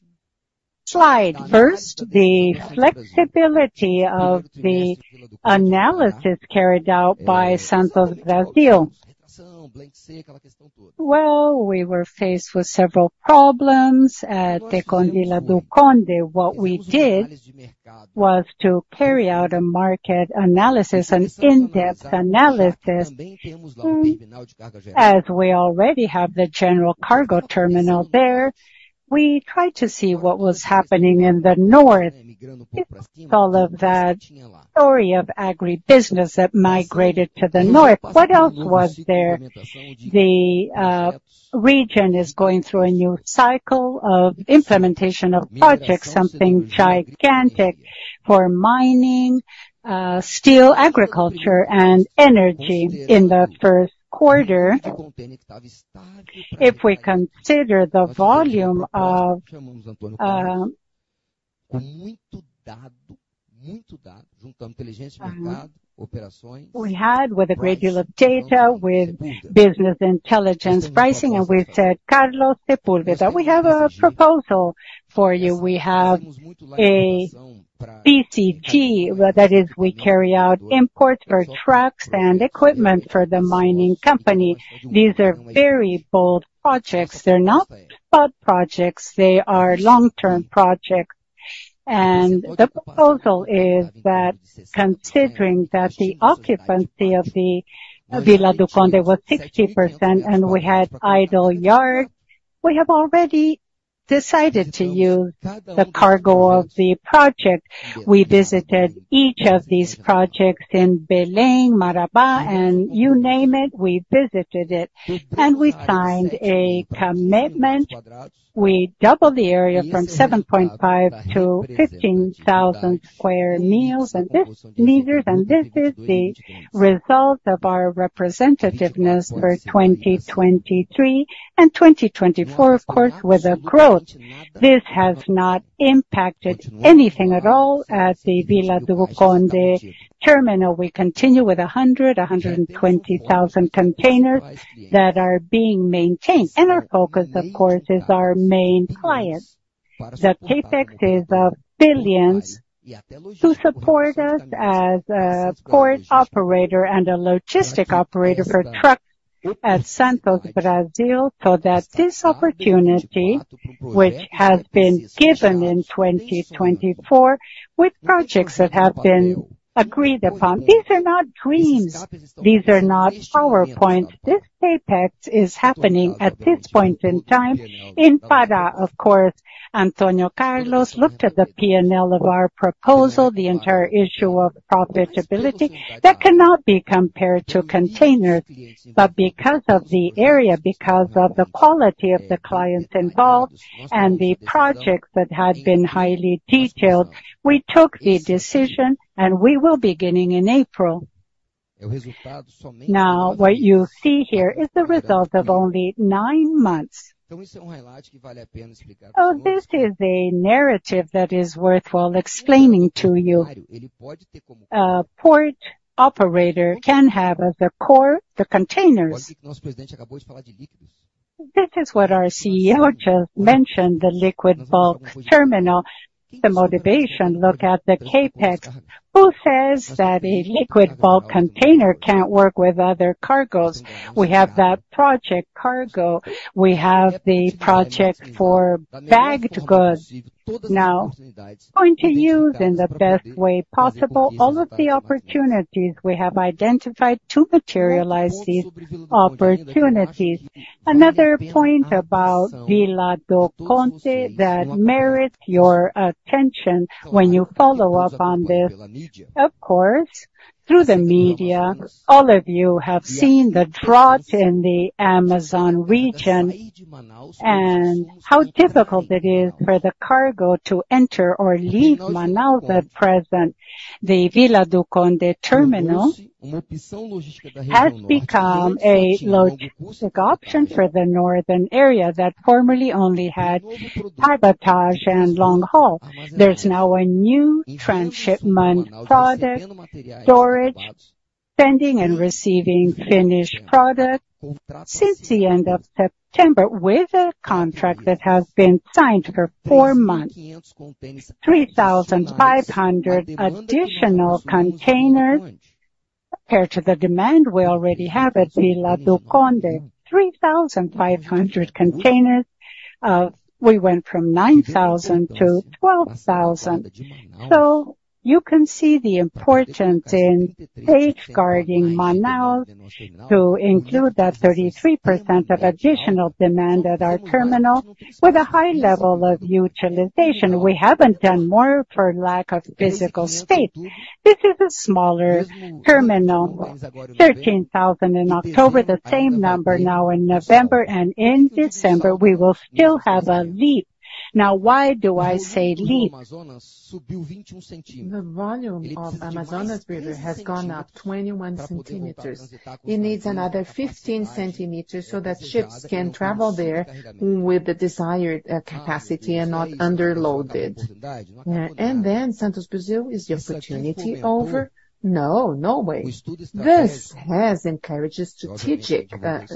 slide? First, the flexibility of the analysis carried out by Santos Brasil. Well, we were faced with several problems at Tecon Vila do Conde. What we did was to carry out a market analysis, an in-depth analysis. As we already have the general cargo terminal there, we tried to see what was happening in the north. It's all of that story of agribusiness that migrated to the north. What else was there? The region is going through a new cycle of implementation of projects, something gigantic for mining, steel, agriculture, and energy in the first quarter. If we consider the volume of we had with a great deal of data, with business intelligence pricing, and with Carlos Sepúlveda. We have a proposal for you. We have a BCT, that is, we carry out imports for trucks and equipment for the mining company. These are very bold projects. They're not spot projects, they are long-term projects. And the proposal is that considering that the occupancy of the Vila do Conde was 60% and we had idle yard, we have already decided to use the cargo of the project. We visited each of these projects in Belém, Marabá, and you name it, we visited it, and we signed a commitment. We doubled the area from 7.5 to 15,000 square meters, and this is the result of our representativeness for 2023 and 2024, of course, with a growth. This has not impacted anything at all at the Vila do Conde terminal. We continue with a 100, 120,000 containers that are being maintained, and our focus, of course, is our main clients. The CapEx is of billions to support us as a port operator and a logistic operator for truck at Santos, Brazil, so that this opportunity, which has been given in 2024, with projects that have been agreed upon. These are not dreams, these are not PowerPoint. This CapEx is happening at this point in time in Pará. Of course, Antônio Carlos looked at the P&L of our proposal, the entire issue of profitability. That cannot be compared to containers, but because of the area, because of the quality of the clients involved and the projects that had been highly detailed, we took the decision, and we will, beginning in April. Now, what you see here is the result of only nine months. So this is a narrative that is worthwhile explaining to you. Port operator can have as their core, the containers. This is what our CEO just mentioned, the Liquid Bulk Terminal. The motivation, look at the CapEx. Who says that a Liquid Bulk Container can't work with other cargos? We have that project cargo, we have the project for bagged goods. Now, going to use in the best way possible, all of the opportunities we have identified to materialize these opportunities. Another point about Vila do Conde that merits your attention when you follow up on this. Of course, through the media, all of you have seen the drought in the Amazon region, and how difficult it is for the cargo to enter or leave Manaus at present. The Vila do Conde terminal has become a logistic option for the northern area that formerly only had cabotage and long haul. There's now a new transshipment product, storage, sending and receiving finished product. Since the end of September, with a contract that has been signed for four months, 3,500 additional containers compared to the demand we already have at Vila do Conde. 3,500 containers, we went from 9,000 to 12,000. So you can see the importance in safeguarding Manaus to include that 33% of additional demand at our terminal with a high level of utilization. We haven't done more for lack of physical state. This is a smaller terminal, 13,000 in October, the same number now in November, and in December, we will still have a leap. Now, why do I say leap? The volume of the Amazon River has gone up 21 cm. It needs another 15 cm so that ships can travel there with the desired capacity and not underloaded. And then, Santos Brasil, is the opportunity over? No, no way. This has encouraged a strategic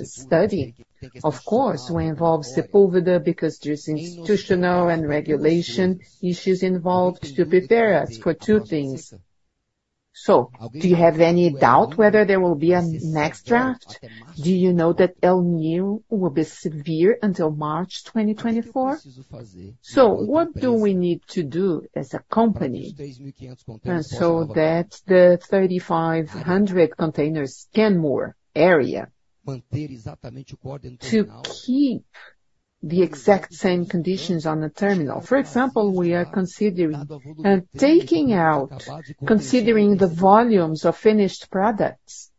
study. Of course, we involve Sepúlveda, because there's institutional and regulation issues involved to prepare us for two things. So do you have any doubt whether there will be a next draft? Do you know that El Niño will be severe until March 2024? So what do we need to do as a company, so that the 3,500 containers can more area to keep the exact same conditions on the terminal. For example, we are considering and taking out, considering the volumes of finished products.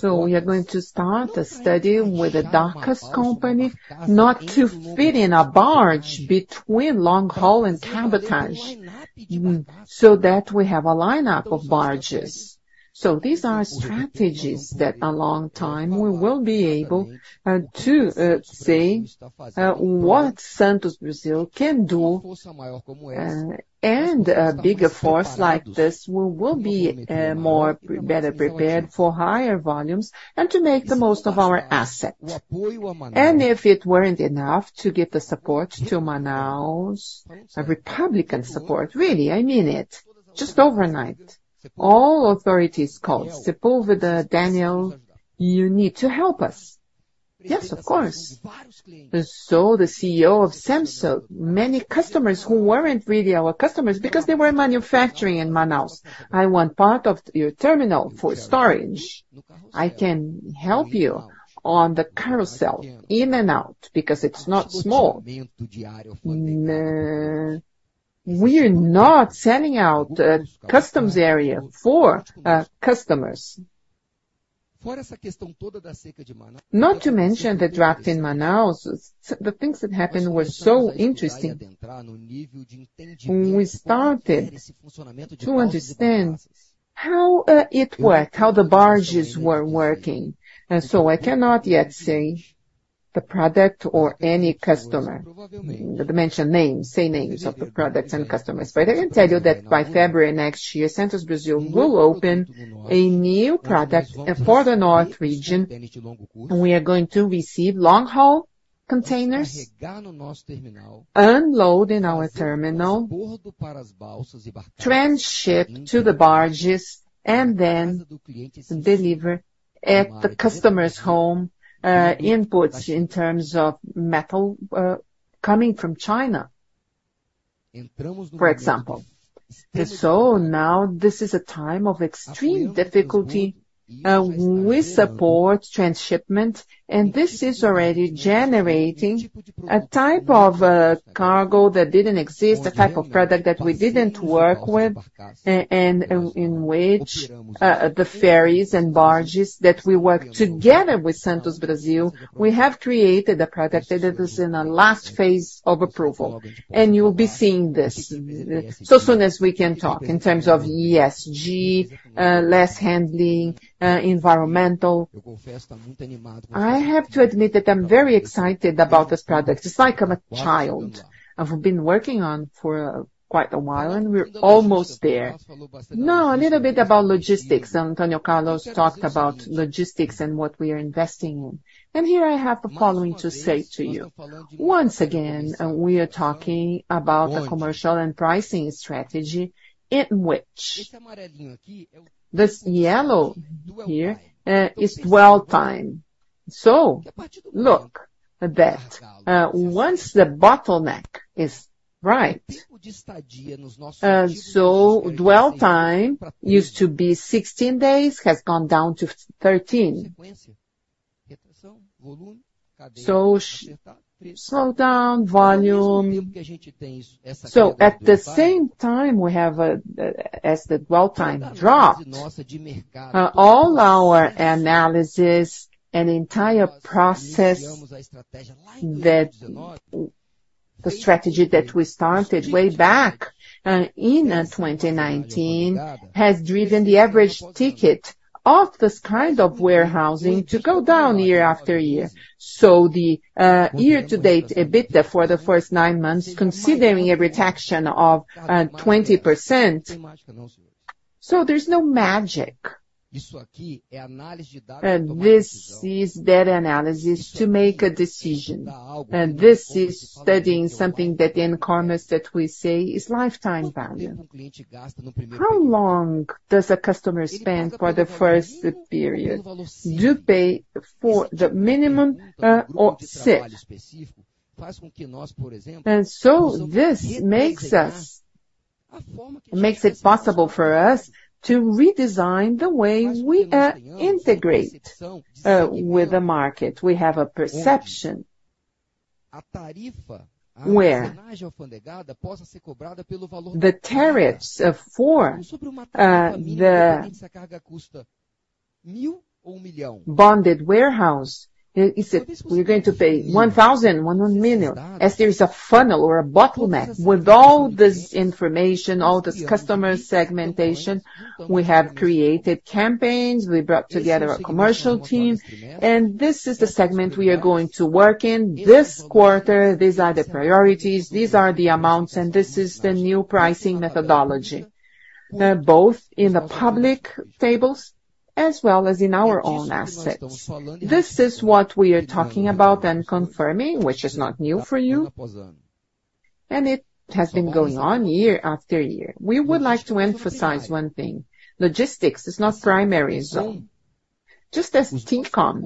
So we are going to start a study with the Docas company, not to fit in a barge between long haul and cabotage, so that we have a lineup of barges. So these are strategies that a long time, we will be able to say what Santos Brasil can do, and a bigger force like this, we will be more better prepared for higher volumes and to make the most of our assets. And if it weren't enough to give the support to Manaus, a Republican support, really, I mean it. Just overnight, all authorities called Sepúlveda, Daniel, "You need to help us." "Yes, of course." So the CEO of Samsung, many customers who weren't really our customers because they were manufacturing in Manaus. I want part of your terminal for storage. I can help you on the carousel, in and out, because it's not small. We are not sending out a customs area for customers. Not to mention the drought in Manaus, the things that happened were so interesting. We started to understand how it worked, how the barges were working, and so I cannot yet say the product or any customer, to mention names, say names of the products and customers. But I can tell you that by February next year, Santos Brasil will open a new product, and for the North region, we are going to receive long haul containers, unload in our terminal, transship to the barges, and then deliver at the customer's home, inputs in terms of metal, coming from China. For example, so now this is a time of extreme difficulty. We support transshipment, and this is already generating a type of cargo that didn't exist, a type of product that we didn't work with, and in which the ferries and barges that we work together with Santos Brasil, we have created a product that it is in the last phase of approval, and you'll be seeing this so soon as we can talk in terms of ESG, less handling, environmental. I have to admit that I'm very excited about this product. It's like I'm a child. I've been working on for quite a while, and we're almost there. Now, a little bit about logistics. Antônio Carlos talked about Logistics and what we are investing in, and here I have the following to say to you. Once again, we are talking about the commercial and pricing strategy in which this yellow here is dwell time. So look at that, once the bottleneck is right, and so dwell time used to be 16 days, has gone down to 13. So slow down, volume. So at the same time, we have a, as the dwell time dropped, all our analysis and entire process, that the strategy that we started way back in 2019, has driven the average ticket of this kind of warehousing to go down year after year. So the year to date, EBITDA, for the first nine months, considering a reduction of 20%, so there's no magic. And this is data analysis to make a decision, and this is studying something that in commerce that we say is lifetime value. How long does a customer spend for the first period to pay for the minimum, or six? So this makes it possible for us to redesign the way we integrate with the market. We have a perception where the tariffs for the bonded warehouse – is it we're going to pay 1,101 million as there is a funnel or a bottleneck. With all this information, all this customer segmentation, we have created campaigns. We brought together a commercial team, and this is the segment we are going to work in this quarter. These are the priorities, these are the amounts, and this is the new pricing methodology, both in the public tables as well as in our own assets. This is what we are talking about and confirming, which is not new for you, and it has been going on year after year. We would like to emphasize one thing, Logistics is not primary zone. Just as Tecon,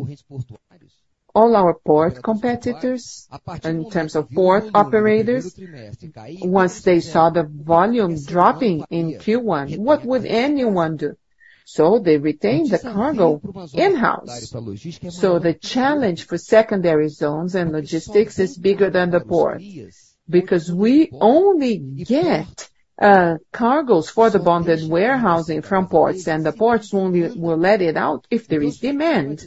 all our port competitors, in terms of port operators, once they saw the volume dropping in Q1, what would anyone do? So they retained the cargo in-house. So the challenge for secondary zones and Logistics is bigger than the port, because we only get cargoes for the bonded warehousing from ports, and the ports only will let it out if there is demand.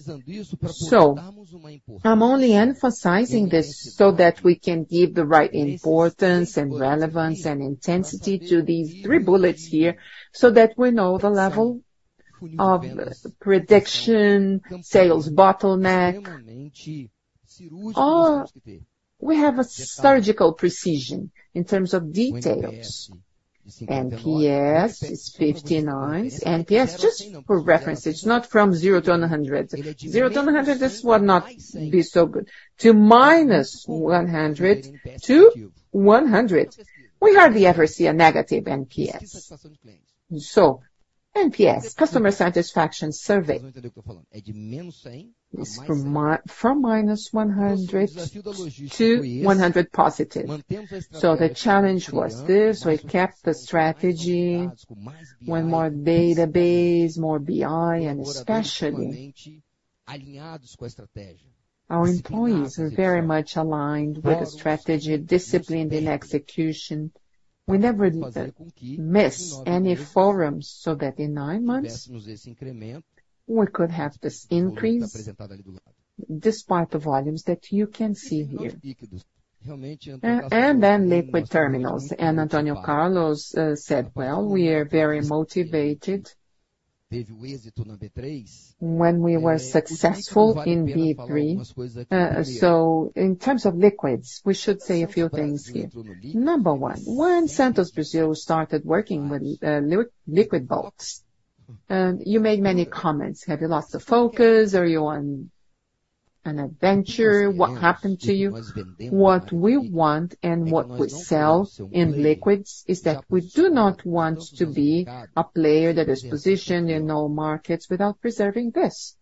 So I'm only emphasizing this so that we can give the right importance and relevance and intensity to these three bullets here, so that we know the level of prediction, sales, bottleneck. We have a surgical precision in terms of details. NPS is 59. NPS, just for reference, it's not from 0 to 100. 0 to 100, this would not be so good. To -100 to 100. We hardly ever see a negative NPS. So NPS, Customer Satisfaction Survey, is from -100 to +100. So the challenge was this. We kept the strategy, one more database, more BI, and especially, our employees are very much aligned with the strategy, discipline, and execution. We never did miss any forums, so that in nine months, we could have this increase despite the volumes that you can see here. Then Liquid Terminals, and Antônio Carlos said, "Well, we are very motivated when we were successful in B3." So in terms of Liquids, we should say a few things here. Number one, when Santos Brasil started working with Liquid Bulks, you made many comments: "Have you lost the focus? Are you on an adventure? What happened to you?" What we want and what we sell in Liquids is that we do not want to be a player that is positioned in all markets without preserving this.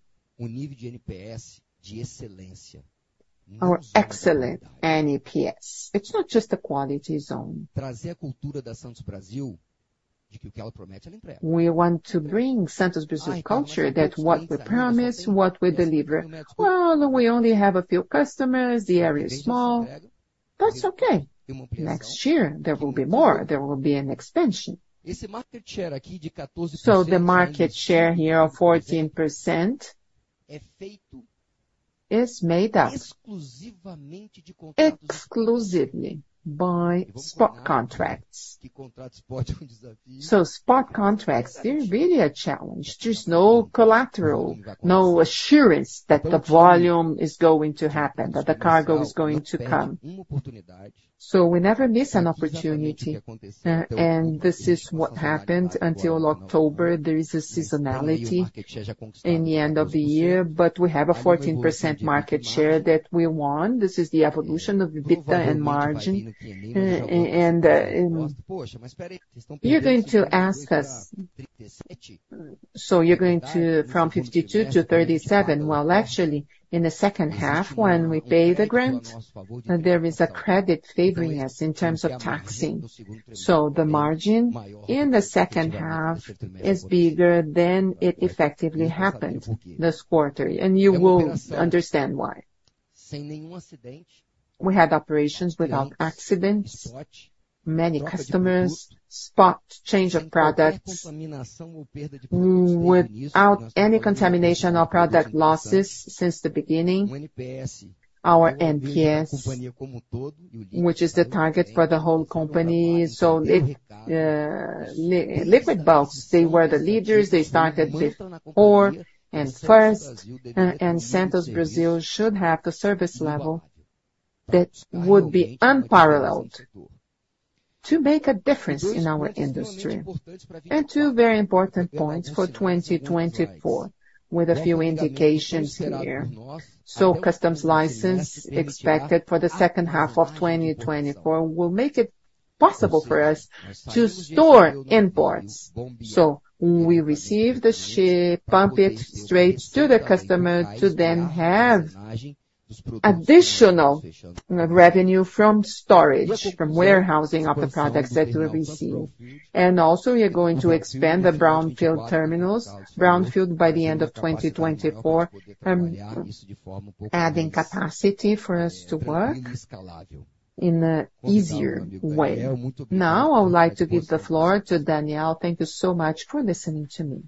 Our excellent NPS. It's not just a quality zone. We want to bring Santos Brasil culture, that what we promise, what we deliver. Well, we only have a few customers, the area is small. That's okay. Next year, there will be more, there will be an expansion. So the market share here of 14%, is made up exclusively by spot contracts. So spot contracts, they're really a challenge. There's no collateral, no assurance that the volume is going to happen, that the cargo is going to come. So we never miss an opportunity, and this is what happened until October. There is a seasonality in the end of the year, but we have a 14% market share that we want. This is the evolution of the EBITDA and margin. You're going to ask us, so you're going to from 52-37, well, actually, in the second half, when we pay the grants, there is a credit favoring us in terms of taxing. So the margin in the second half is bigger than it effectively happened this quarter, and you will understand why. We had operations without accidents, many customers, spot change of products, without any contamination or product losses since the beginning. Our NPS, which is the target for the whole company. So, Liquid Bulks, they were the leaders, they started with ore and first, and Santos Brasil should have the service level that would be unparalleled to make a difference in our industry. And two very important points for 2024, with a few indications here. So customs license, expected for the second half of 2024, will make it possible for us to store imports. So we receive the ship, pump it straight to the customer, to then have additional revenue from storage, from warehousing of the products that we receive. And also, we are going to expand the brownfield terminals. Brownfield, by the end of 2024, adding capacity for us to work in a easier way. Now, I would like to give the floor to Daniel. Thank you so much for listening to me.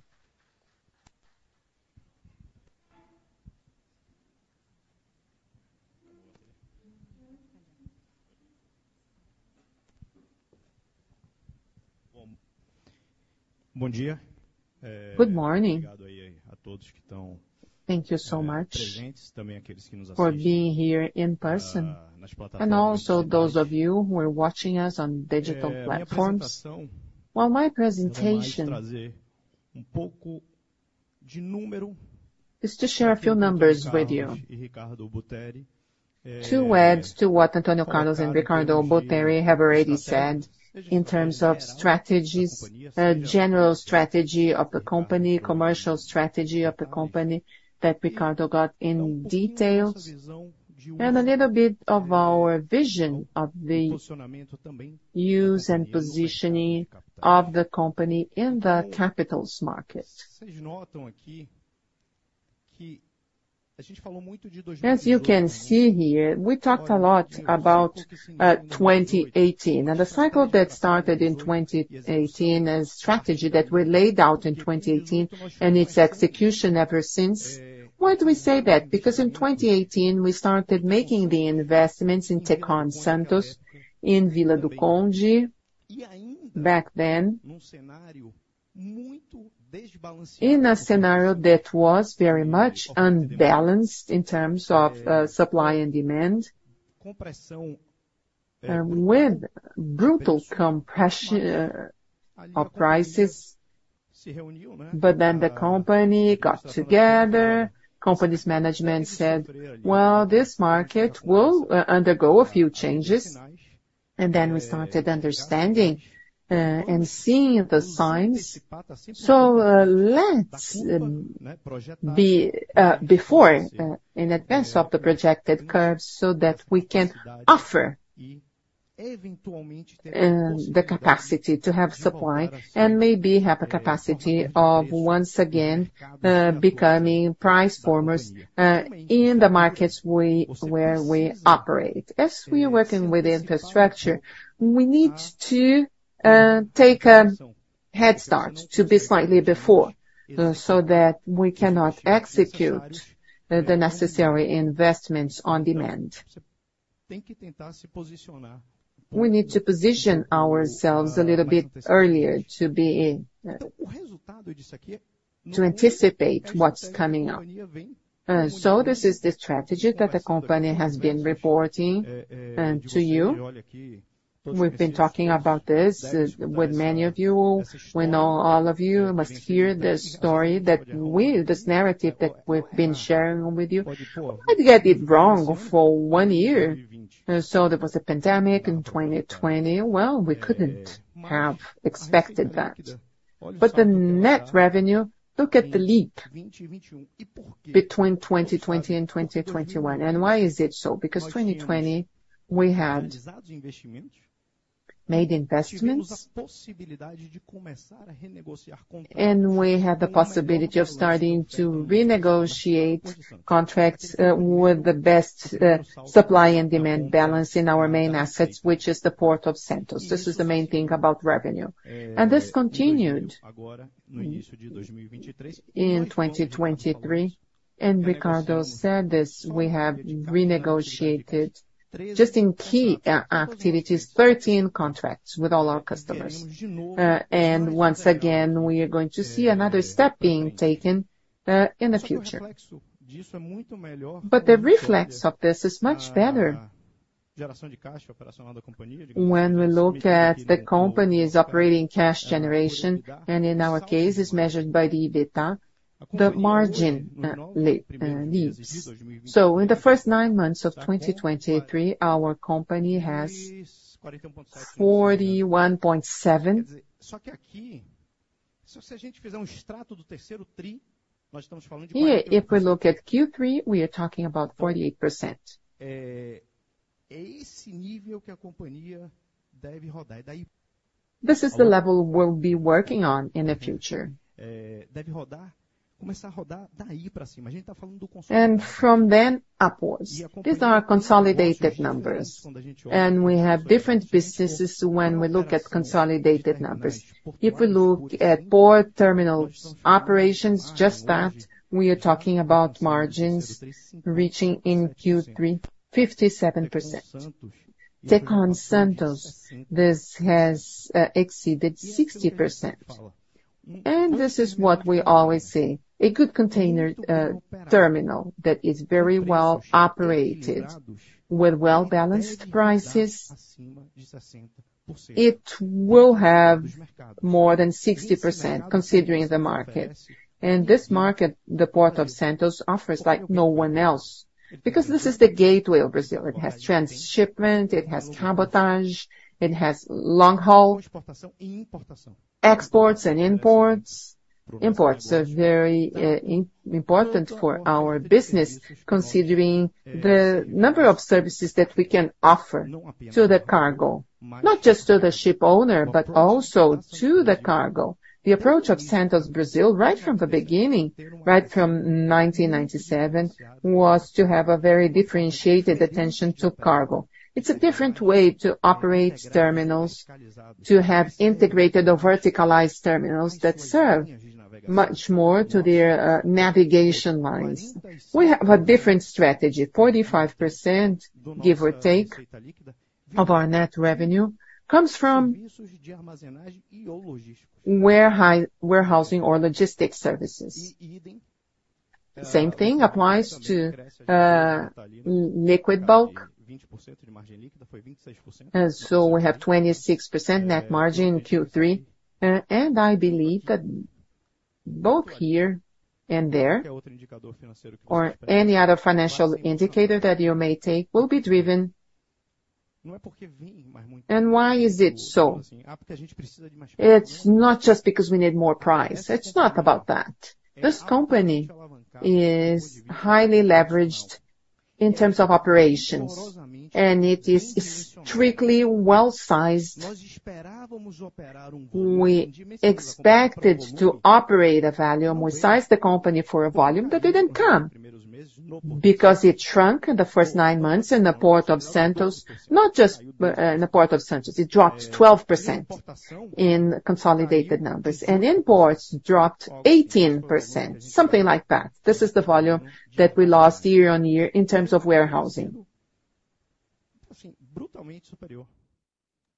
Good morning. Thank you so much for being here in person, and also those of you who are watching us on digital platforms. Well, my presentation is to share a few numbers with you. To add to what Antônio Carlos and Ricardo Buteri have already said in terms of strategies, general strategy of the company, commercial strategy of the company, that Ricardo got in details, and a little bit of our vision of the use and positioning of the company in the capitals market. As you can see here, we talked a lot about 2018, and the cycle that started in 2018, a strategy that we laid out in 2018 and its execution ever since. Why do we say that? Because in 2018, we started making the investments in Tecon Santos, in Vila do Conde. Back then, in a scenario that was very much unbalanced in terms of supply and demand, with brutal compression of prices. But then the company got together, company's management said: "Well, this market will undergo a few changes." And then we started understanding and seeing the signs. So, let's be before, in advance of the projected curves so that we can offer the capacity to have supply and maybe have a capacity of once again becoming price formers in the markets where we operate. As we are working with infrastructure, we need to take a head start to be slightly before so that we cannot execute the necessary investments on demand. We need to position ourselves a little bit earlier to be to anticipate what's coming up. So this is the strategy that the company has been reporting to you. We've been talking about this with many of you. We know all of you must hear the story, this narrative that we've been sharing with you. I'd get it wrong for one year. So there was a pandemic in 2020. Well, we couldn't have expected that. But the net revenue, look at the leap between 2020 and 2021. And why is it so? Because 2020, we had made investments, and we had the possibility of starting to renegotiate contracts with the best supply and demand balance in our main assets, which is the Port of Santos. This is the main thing about revenue. And this continued in 2023, and Ricardo said this: we have renegotiated, just in quay activities, 13 contracts with all our customers. And once again, we are going to see another step being taken in the future. But the reflex of this is much better when we look at the company's operating cash generation, and in our case, it's measured by the EBITDA, the margin levels. So in the first nine months of 2023, our company has 41.7. If we look at Q3, we are talking about 48%. This is the level we'll be working on in the future. And from then, upwards, these are consolidated numbers, and we have different businesses when we look at consolidated numbers. If we look at port terminal operations, just that, we are talking about margins reaching in Q3, 57%. Tecon Santos, this has exceeded 60%. And this is what we always say, a good Container Terminal that is very well operated with well-balanced prices; it will have more than 60% considering the market. And this market, the Port of Santos, offers like no one else, because this is the gateway of Brazil. It has transshipment, it has cabotage, it has long haul exports and imports. Imports are very important for our business, considering the number of services that we can offer to the cargo, not just to the ship owner, but also to the cargo. The approach of Santos, Brazil, right from the beginning, right from 1997, was to have a very differentiated attention to cargo. It's a different way to operate terminals, to have integrated or verticalized terminals that serve much more to their navigation lines. We have a different strategy. 45%, give or take, of our net revenue comes from Warehousing or Logistics services. Same thing applies to Liquid Bulk. So we have 26% net margin in Q3, and I believe that both here and there, or any other financial indicator that you may take, will be driven. And why is it so? It's not just because we need more price. It's not about that. This company is highly leveraged in terms of operations, and it is strictly well-sized. We expected to operate a volume, we sized the company for a volume that didn't come, because it shrunk in the first nine months in the Port of Santos, not just in the Port of Santos, it dropped 12% in consolidated numbers, and imports dropped 18%, something like that. This is the volume that we lost year-on-year in terms of warehousing.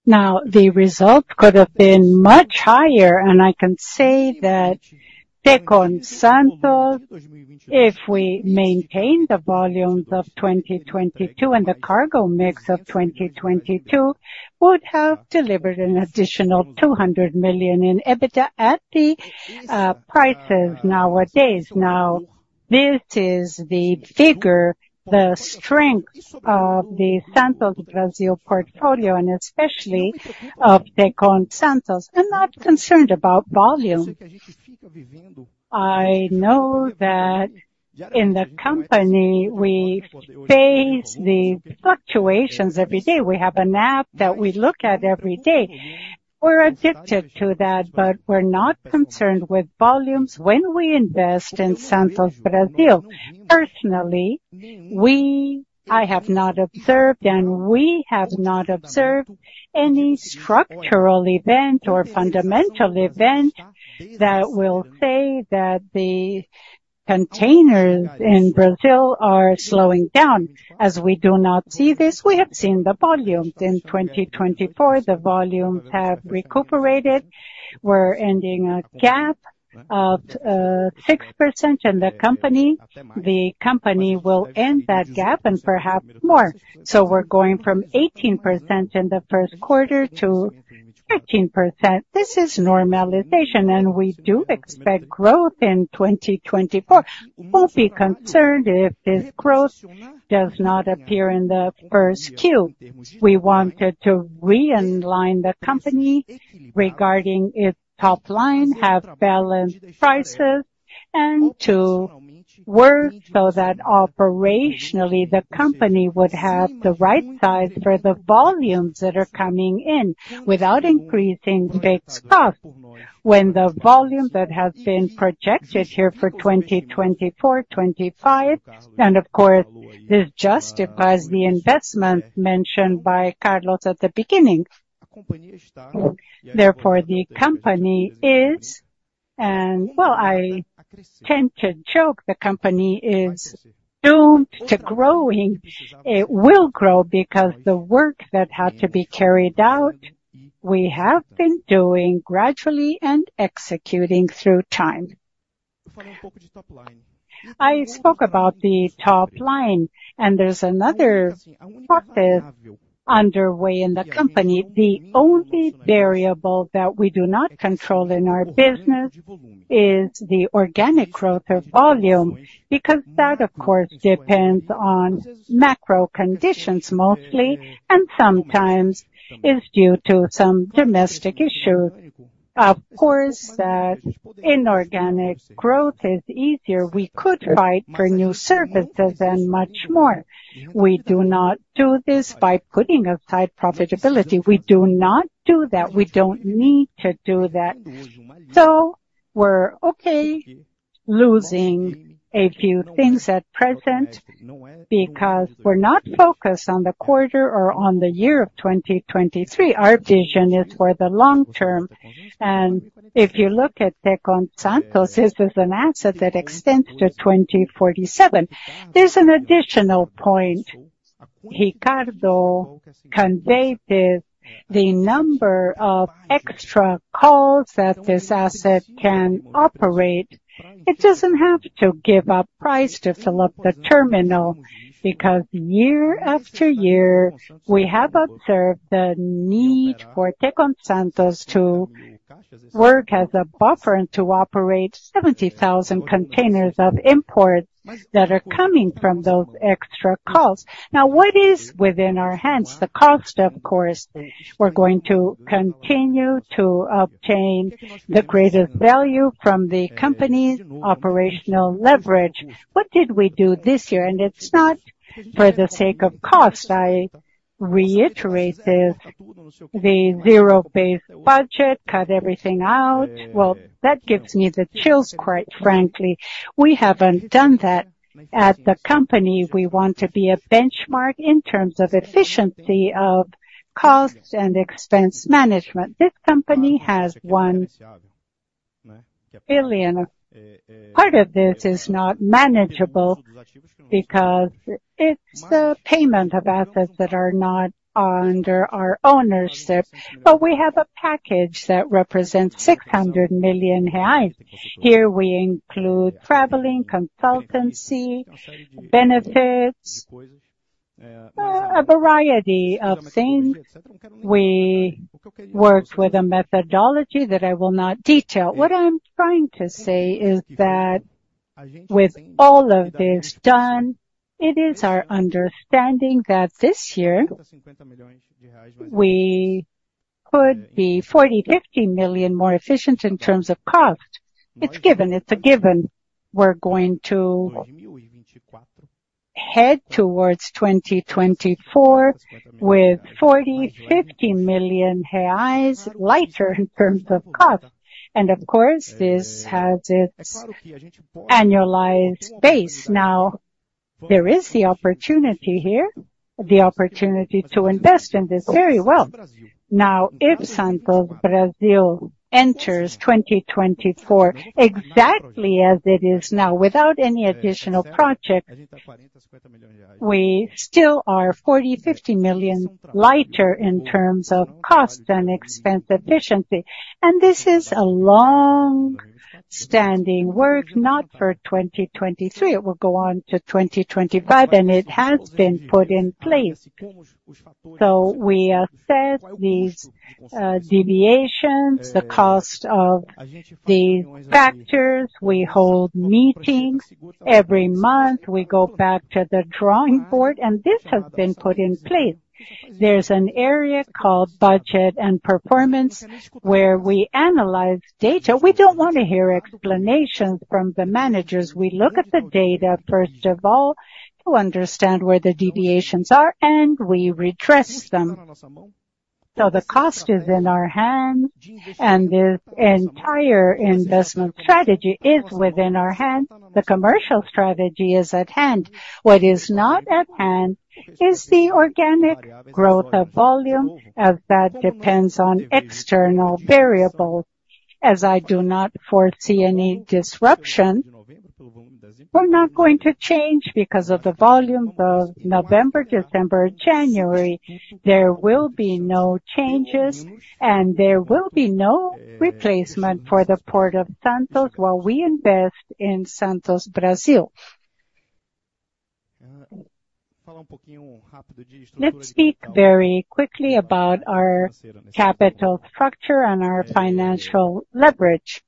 Now, the result could have been much higher, and I can say that Tecon Santos, if we maintain the volumes of 2022 and the cargo mix of 2022, would have delivered an additional 200 million in EBITDA at the prices nowadays. Now, this is the vigor, the strength of the Santos Brasil portfolio, and especially of Tecon Santos. I'm not concerned about volume. I know that in the company, we face the fluctuations every day. We have an app that we look at every day. We're addicted to that, but we're not concerned with volumes when we invest in Santos Brasil. Personally, we, I have not observed, and we have not observed any structural event or fundamental event that will say that the containers in Brazil are slowing down. As we do not see this, we have seen the volumes. In 2024, the volumes have recuperated. We're ending a gap of 6% in the company. The company will end that gap and perhaps more. So we're going from 18% in the first quarter to 15%. This is normalization, and we do expect growth in 2024. We'll be concerned if this growth does not appear in the 1Q. We wanted to realign the company regarding its top line, have balanced prices, and to work so that operationally, the company would have the right size for the volumes that are coming in without increasing fixed costs. When the volume that has been projected here for 2024, 2025, and of course, this justifies the investment mentioned by Carlos at the beginning. Therefore, the company is, and well, I tend to joke, the company is doomed to growing. It will grow because the work that had to be carried out, we have been doing gradually and executing through time. I spoke about the top line, and there's another process underway in the company. The only variable that we do not control in our business is the organic growth of volume, because that, of course, depends on macro conditions, mostly, and sometimes is due to some domestic issues. Of course, that inorganic growth is easier. We could fight for new services and much more. We do not do this by putting aside profitability. We do not do that. We don't need to do that. So we're okay losing a few things at present because we're not focused on the quarter or on the year of 2023. Our vision is for the long term, and if you look at Tecon Santos, this is an asset that extends to 2047. There's an additional point. Ricardo conveyed it, the number of extra calls that this asset can operate. It doesn't have to give up price to fill up the terminal, because year after year, we have observed the need for Tecon Santos to work as a buffer and to operate 70,000 containers of imports that are coming from those extra calls. Now, what is within our hands? The cost, of course, we're going to continue to obtain the greatest value from the company's operational leverage. What did we do this year? It's not for the sake of cost, I reiterate this, the zero-based budget, cut everything out. Well, that gives me the chills, quite frankly. We haven't done that. At the company, we want to be a benchmark in terms of efficiency of costs and expense management. This company has 1 billion. Part of this is not manageable because it's a payment of assets that are not under our ownership, but we have a package that represents 600 million reais. Here we include traveling, consultancy, benefits, a variety of things. We worked with a methodology that I will not detail. What I'm trying to say is that with all of this done, it is our understanding that this year, we could be 40 million-50 million more efficient in terms of cost. It's given. It's a given. We're going to head towards 2024 with 40 million-50 million reais lighter in terms of cost. And of course, this has its annualized base. Now, there is the opportunity here, the opportunity to invest in this very well. Now, if Santos Brasil enters 2024, exactly as it is now, without any additional project, we still are 40 million-50 million lighter in terms of cost and expense efficiency. This is a long-standing work, not for 2023. It will go on to 2025, and it has been put in place. We assess these deviations, the cost of the factors. We hold meetings every month. We go back to the drawing board, and this has been put in place. There's an area called Budget and Performance, where we analyze data. We don't want to hear explanations from the managers. We look at the data, first of all, to understand where the deviations are, and we readdress them. So the cost is in our hands, and the entire investment strategy is within our hands. The commercial strategy is at hand. What is not at hand is the organic growth of volume, as that depends on external variables. As I do not foresee any disruption, we're not going to change because of the volume of November, December, January; there will be no changes, and there will be no replacement for the Port of Santos while we invest in Santos Brasil. Let's speak very quickly about our capital structure and our financial leverage.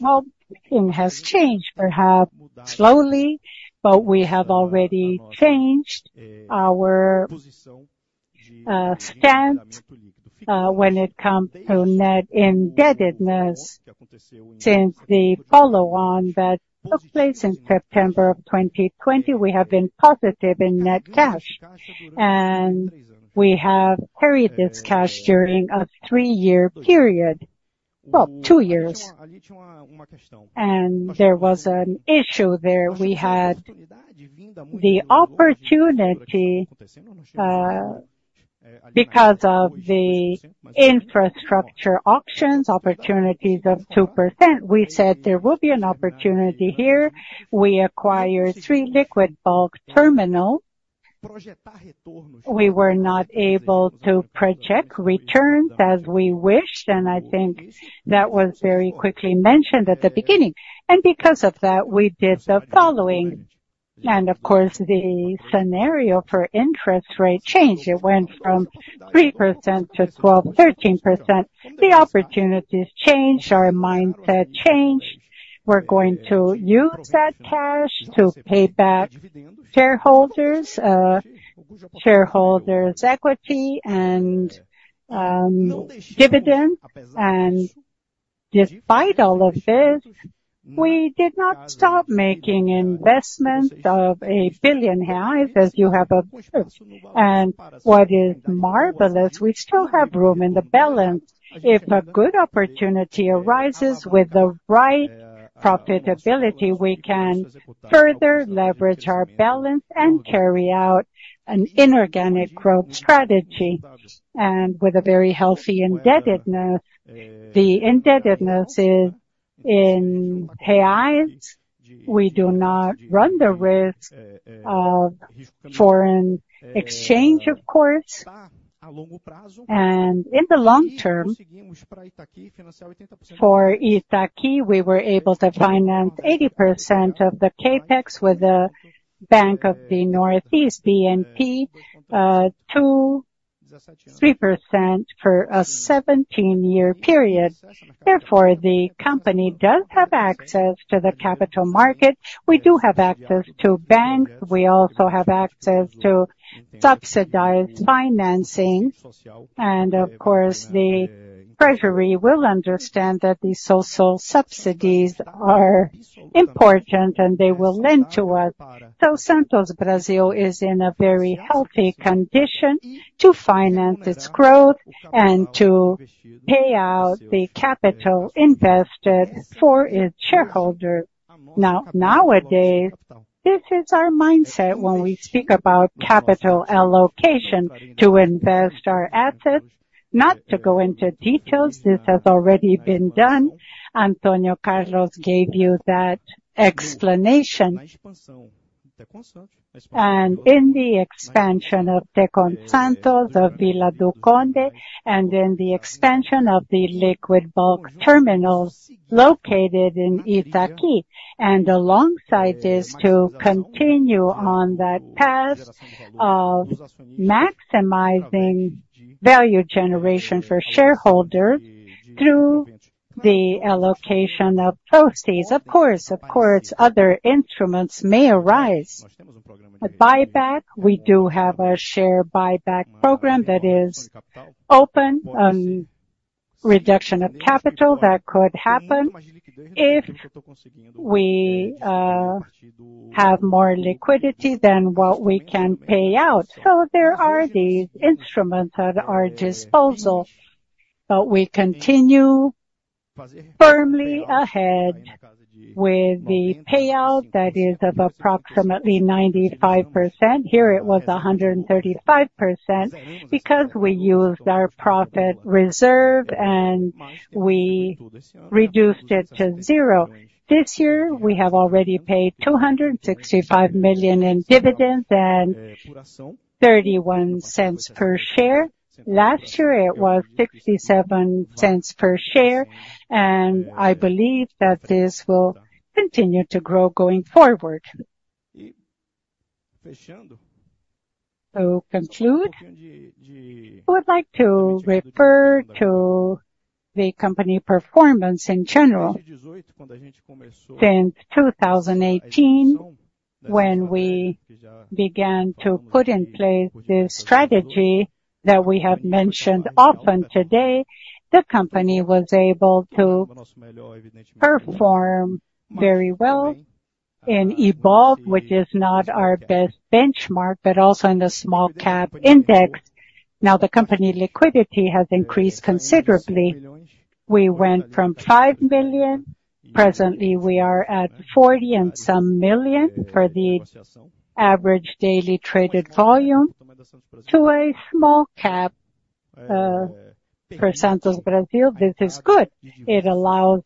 Well, it has changed, perhaps slowly, but we have already changed our stance when it comes to net indebtedness. Since the follow-on that took place in September of 2020, we have been positive in net cash, and we have carried this cash during a three-year period. Well, two years. There was an issue there. We had the opportunity because of the infrastructure auctions, opportunities of 2%. We said there will be an opportunity here. We acquired three Liquid Bulk Terminal. We were not able to project returns as we wished, and I think that was very quickly mentioned at the beginning. And because of that, we did the following. And of course, the scenario for interest rate changed. It went from 3% to 12%-13%. The opportunities changed, our mindset changed. We're going to use that cash to pay back shareholders, shareholders' equity and dividend. And despite all of this, we did not stop making investments of 1 billion reais, as you have observed. And what is marvelous, we still have room in the balance. If a good opportunity arises with the right profitability, we can further leverage our balance and carry out an inorganic growth strategy and with a very healthy indebtedness. The indebtedness is in reais. We do not run the risk of foreign exchange, of course. In the long term, for Itaqui, we were able to finance 80% of the CapEx with the Banco do Nordeste, BNB, 2%-3% for a 17-year period. Therefore, the company does have access to the capital market. We do have access to banks, we also have access to subsidized financing. And of course, the treasury will understand that these social subsidies are important, and they will lend to us. So Santos Brasil is in a very healthy condition to finance its growth and to pay out the capital invested for its shareholder. Now, nowadays, this is our mindset when we speak about capital allocation, to invest our assets, not to go into details, this has already been done. Antônio Carlos gave you that explanation. In the expansion of Tecon Santos, of Vila do Conde, and in the expansion of the Liquid Bulk Terminals located in Itaqui, and alongside this, to continue on that path of maximizing value generation for shareholders through the allocation of proceeds. Of course, of course, other instruments may arise. A buyback, we do have a share buyback program that is open, reduction of capital that could happen if we have more liquidity than what we can pay out. So there are these instruments at our disposal, but we continue firmly ahead with the payout that is of approximately 95%. Here, it was 135%, because we used our profit reserve, and we reduced it to zero. This year, we have already paid 265 million in dividends and 0.31 per share. Last year, it was 0.67 per share, and I believe that this will continue to grow going forward. To conclude, I would like to refer to the company performance in general. Since 2018, when we began to put in place the strategy that we have mentioned often today, the company was able to perform very well in IBOV, which is not our best benchmark, but also in the small cap index. Now, the company liquidity has increased considerably. We went from 5 billion; presently, we are at 40 million+ for the average daily traded volume to a small cap, for Santos Brasil, this is good. It allows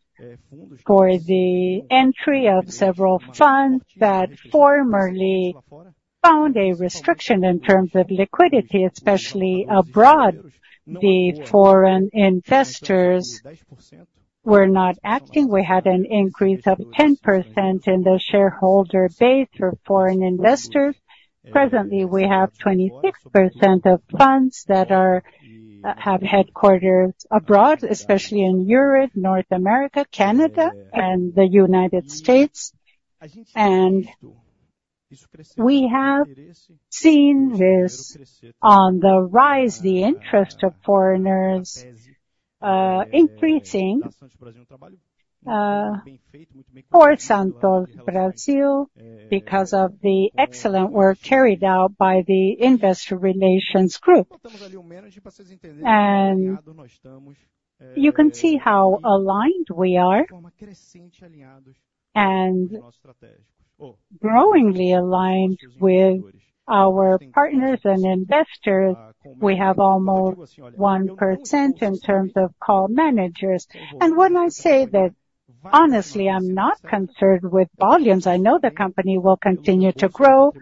for the entry of several funds that formerly found a restriction in terms of liquidity, especially abroad. The foreign investors. We're not acting. We had an increase of 10% in the shareholder base for foreign investors. Presently, we have 26% of funds that are, have headquarters abroad, especially in Europe, North America, Canada, and the United States. We have seen this on the rise, the interest of foreigners, increasing, for Santos Brasil, because of the excellent work carried out by the investor relations group. You can see how aligned we are, and growingly aligned with our partners and investors. We have almost 1% in terms of call managers. When I say that, honestly, I'm not concerned with volumes, I know the company will continue to grow.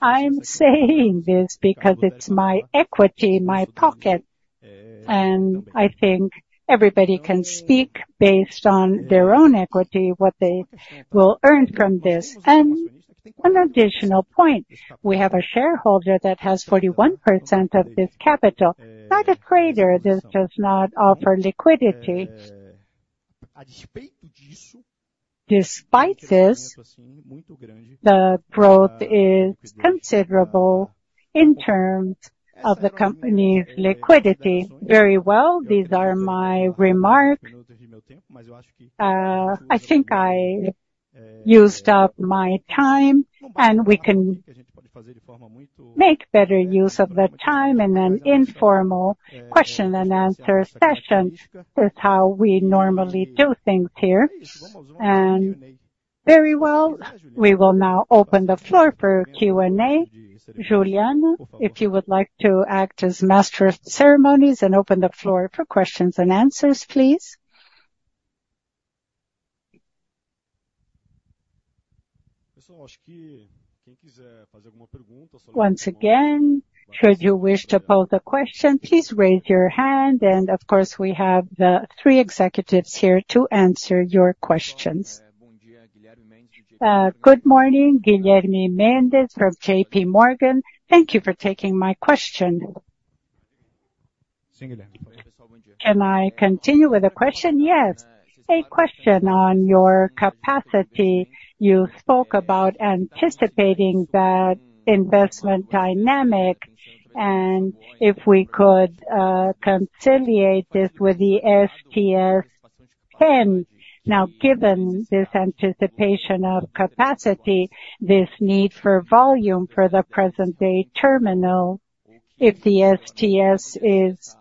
I'm saying this because it's my equity, my pocket, and I think everybody can speak based on their own equity, what they will earn from this. One additional point, we have a shareholder that has 41% of this capital, not a trader, this does not offer liquidity. Despite this, the growth is considerable in terms of the company's liquidity. Very well, these are my remarks. I think I used up my time, and we can make better use of that time in an informal question and answer session, is how we normally do things here. Very well, we will now open the floor for Q&A. Juliano, if you would like to act as master of ceremonies and open the floor for questions and answers, please. Once again, should you wish to pose a question, please raise your hand, and of course, we have the three executives here to answer your questions. Good morning, Guilherme Mendes from JPMorgan. Thank you for taking my question. Can I continue with the question? Yes. A question on your capacity. You spoke about anticipating that investment dynamic, and if we could, conciliate this with the STS10. Now, given this anticipation of capacity, this need for volume for the present-day terminal, if the STS10 is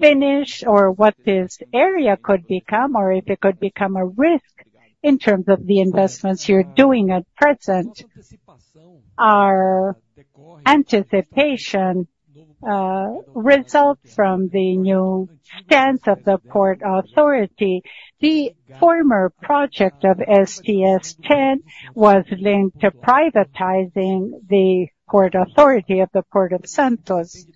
finished, or what this area could become, or if it could become a risk in terms of the investments you're doing at present. Our anticipation results from the new stance of the Port Authority. The former project of STS10 was linked to privatizing the Port Authority of the Port of Santos.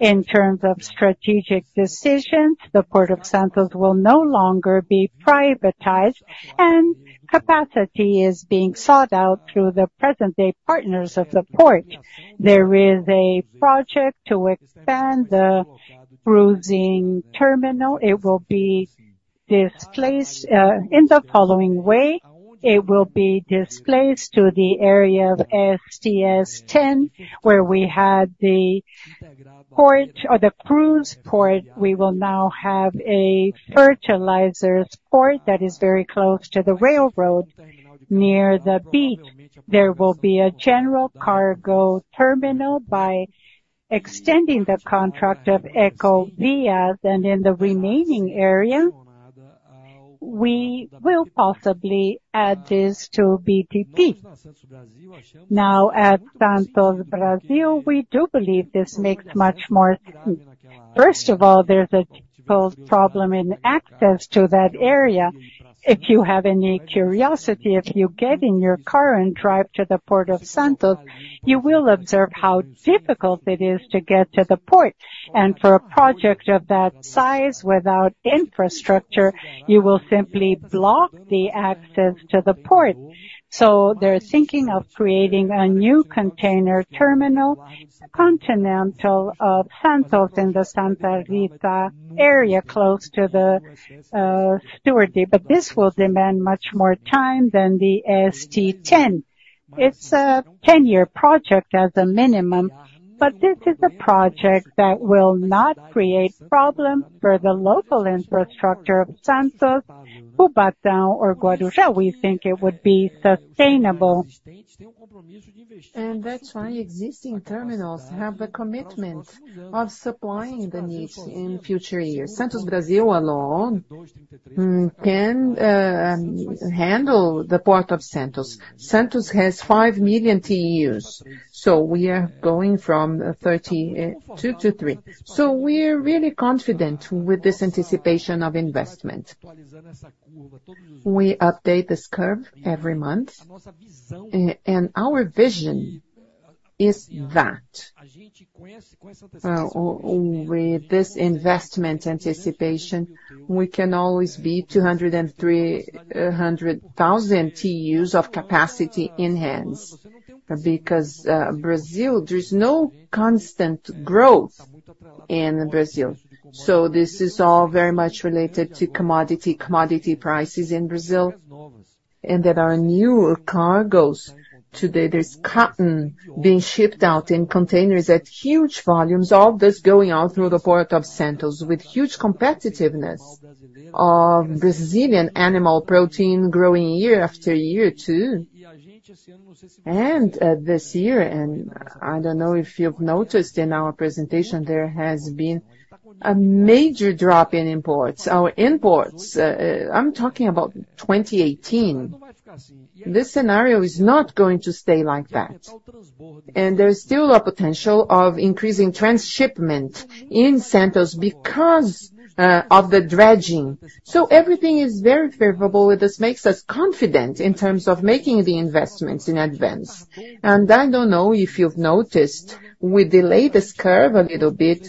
In terms of strategic decisions, the Port of Santos will no longer be privatized, and capacity is being sought out through the present-day partners of the port. There is a project to expand the cruise terminal. It will be displaced in the following way. It will be displaced to the area of STS10, where we had the port or the cruise port. We will now have a fertilizers port that is very close to the railroad, near the beach. There will be a general cargo terminal by extending the contract of Ecoporto, and in the remaining area, we will possibly add this to BTP. Now, at Santos Brasil, we do believe this makes much more. First of all, there's a typical problem in access to that area. If you have any curiosity, if you get in your car and drive to the Port of Santos, you will observe how difficult it is to get to the port. And for a project of that size, without infrastructure, you will simply block the access to the port. So they're thinking of creating a new Container Terminal, continental of Santos, in the Santa Rita area, close to the estuary, but this will demand much more time than the STS10. It's a 10-year project as a minimum, but this is a project that will not create problems for the local infrastructure of Santos, Cubatão or Guarujá. We think it would be sustainable. That's why existing terminals have the commitment of supplying the needs in future years. Santos Brasil alone can handle the Port of Santos. Santos has 5 million TEUs, so we are going from 32 to 3. So we're really confident with this anticipation of investment. We update this curve every month, and our vision is that with this investment anticipation, we can always be 200,00 and 300,000 TEUs of capacity in hands. Because Brazil, there is no constant growth in Brazil. So this is all very much related to commodity, commodity prices in Brazil, and there are new cargoes. Today, there's cotton being shipped out in containers at huge volumes, all this going out through the Port of Santos, with huge competitiveness of Brazilian animal protein growing year after year, too. This year, I don't know if you've noticed in our presentation, there has been a major drop in imports. Our imports, I'm talking about 2018. This scenario is not going to stay like that, and there's still a potential of increasing transshipment in Santos because of the dredging. So everything is very favorable, and this makes us confident in terms of making the investments in advance. I don't know if you've noticed, we delayed this curve a little bit,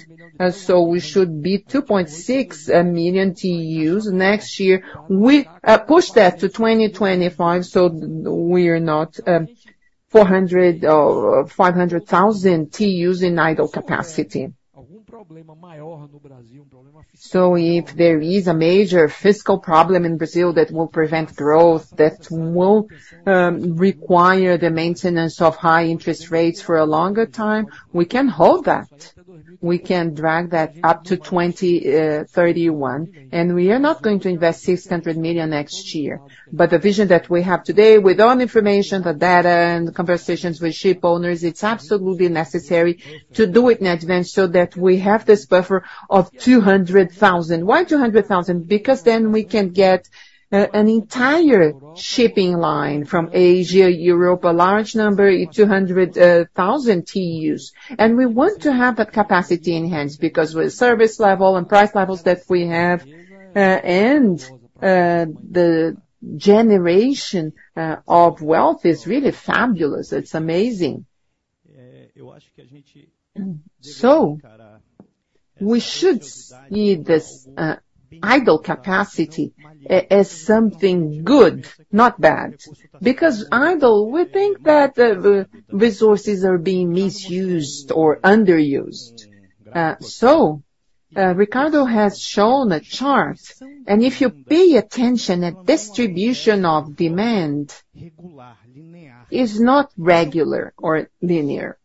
so we should be 2.6 million TEUs next year. We pushed that to 2025, so we are not 400 or 500,000 TEUs in idle capacity. So if there is a major fiscal problem in Brazil that will prevent growth, that will require the maintenance of high interest rates for a longer time, we can hold that. We can drag that up to 2031, and we are not going to invest 600 million next year. But the vision that we have today, with all information, the data and the conversations with shipowners, it's absolutely necessary to do it in advance so that we have this buffer of 200,000. Why 200,000? Because then we can get an entire shipping line from Asia, Europe, a large number, 200,000 TEUs. And we want to have that capacity in hands, because with service level and price levels that we have, and the generation of wealth is really fabulous. It's amazing. So we should see this, idle capacity as something good, not bad, because idle, we think that the resources are being misused or underused. Ricardo has shown a chart, and if you pay attention, a distribution of demand is not regular or linear.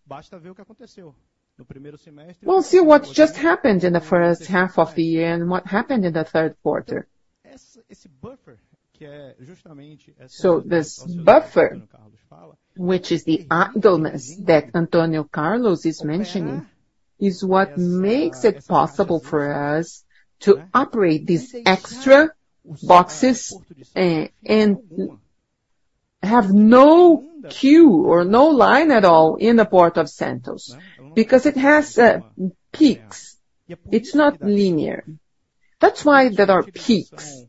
We'll see what just happened in the first half of the year and what happened in the third quarter. So this buffer, which is the idleness that Antônio Carlos is mentioning, is what makes it possible for us to operate these extra boxes, and have no queue or no line at all in the Port of Santos, because it has peaks. It's not linear. That's why there are peaks.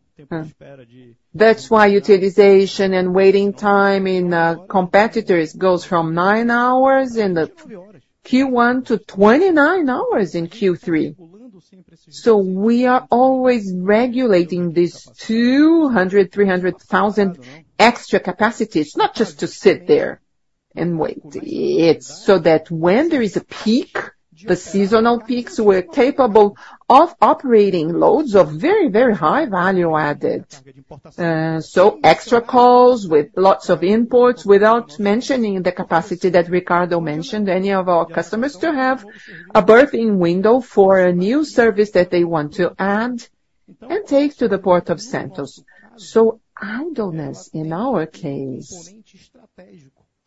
That's why utilization and waiting time in competitors goes from nine hours in the Q1 to 29 hours in Q3. So we are always regulating these 200,000-300,000 extra capacities, not just to sit there and wait. It's so that when there is a peak, the seasonal peaks, we're capable of operating loads of very, very high value added. So extra calls with lots of imports, without mentioning the capacity that Ricardo mentioned, any of our customers to have a berthing window for a new service that they want to add and take to the Port of Santos. So idleness, in our case,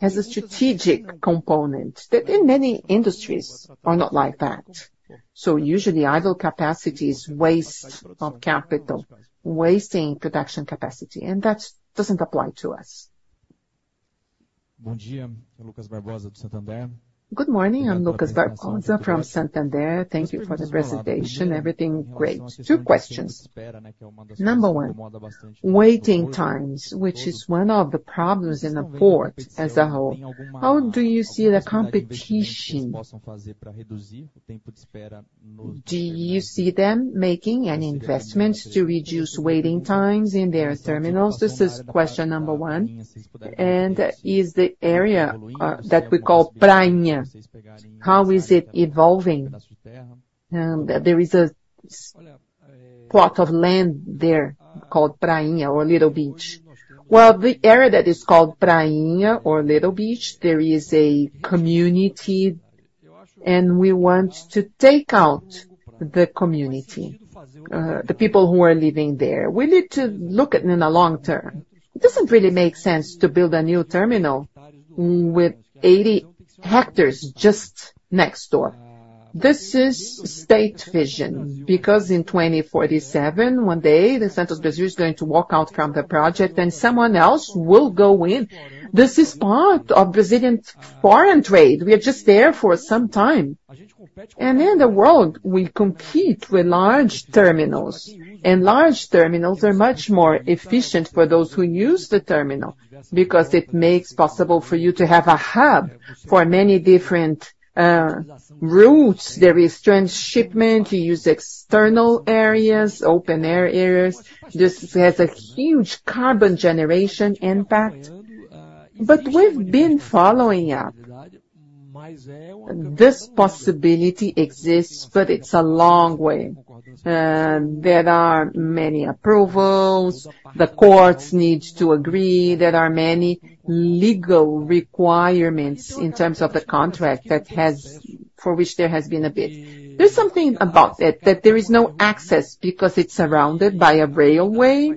has a strategic component, that in many industries are not like that. So usually, idle capacity is waste of capital, wasting production capacity, and that doesn't apply to us. Good morning, I'm Lucas Barbosa from Santander. Thank you for the presentation. Everything great. Two questions. Number one, waiting times, which is one of the problems in the port as a whole. How do you see the competition? Do you see them making any investments to reduce waiting times in their terminals? This is question number one. And is the area that we call Prainha, how is it evolving? There is a plot of land there called Prainha or Little Beach. Well, the area that is called Prainha or Little Beach, there is a community, and we want to take out the community, the people who are living there. We need to look at it in the long term. It doesn't really make sense to build a new terminal with 80 hectares just next door. This is state vision, because in 2047, one day, the Santos Brasil is going to walk out from the project and someone else will go in. This is part of Brazilian foreign trade. We are just there for some time. In the world, we compete with large terminals, and large terminals are much more efficient for those who use the terminal, because it makes possible for you to have a hub for many different routes. There is transshipment, you use external areas, open-air areas. This has a huge carbon generation impact. We've been following up. This possibility exists, but it's a long way. There are many approvals, the courts needs to agree, there are many legal requirements in terms of the contract for which there has been a bid. There's something about it, that there is no access because it's surrounded by a railway,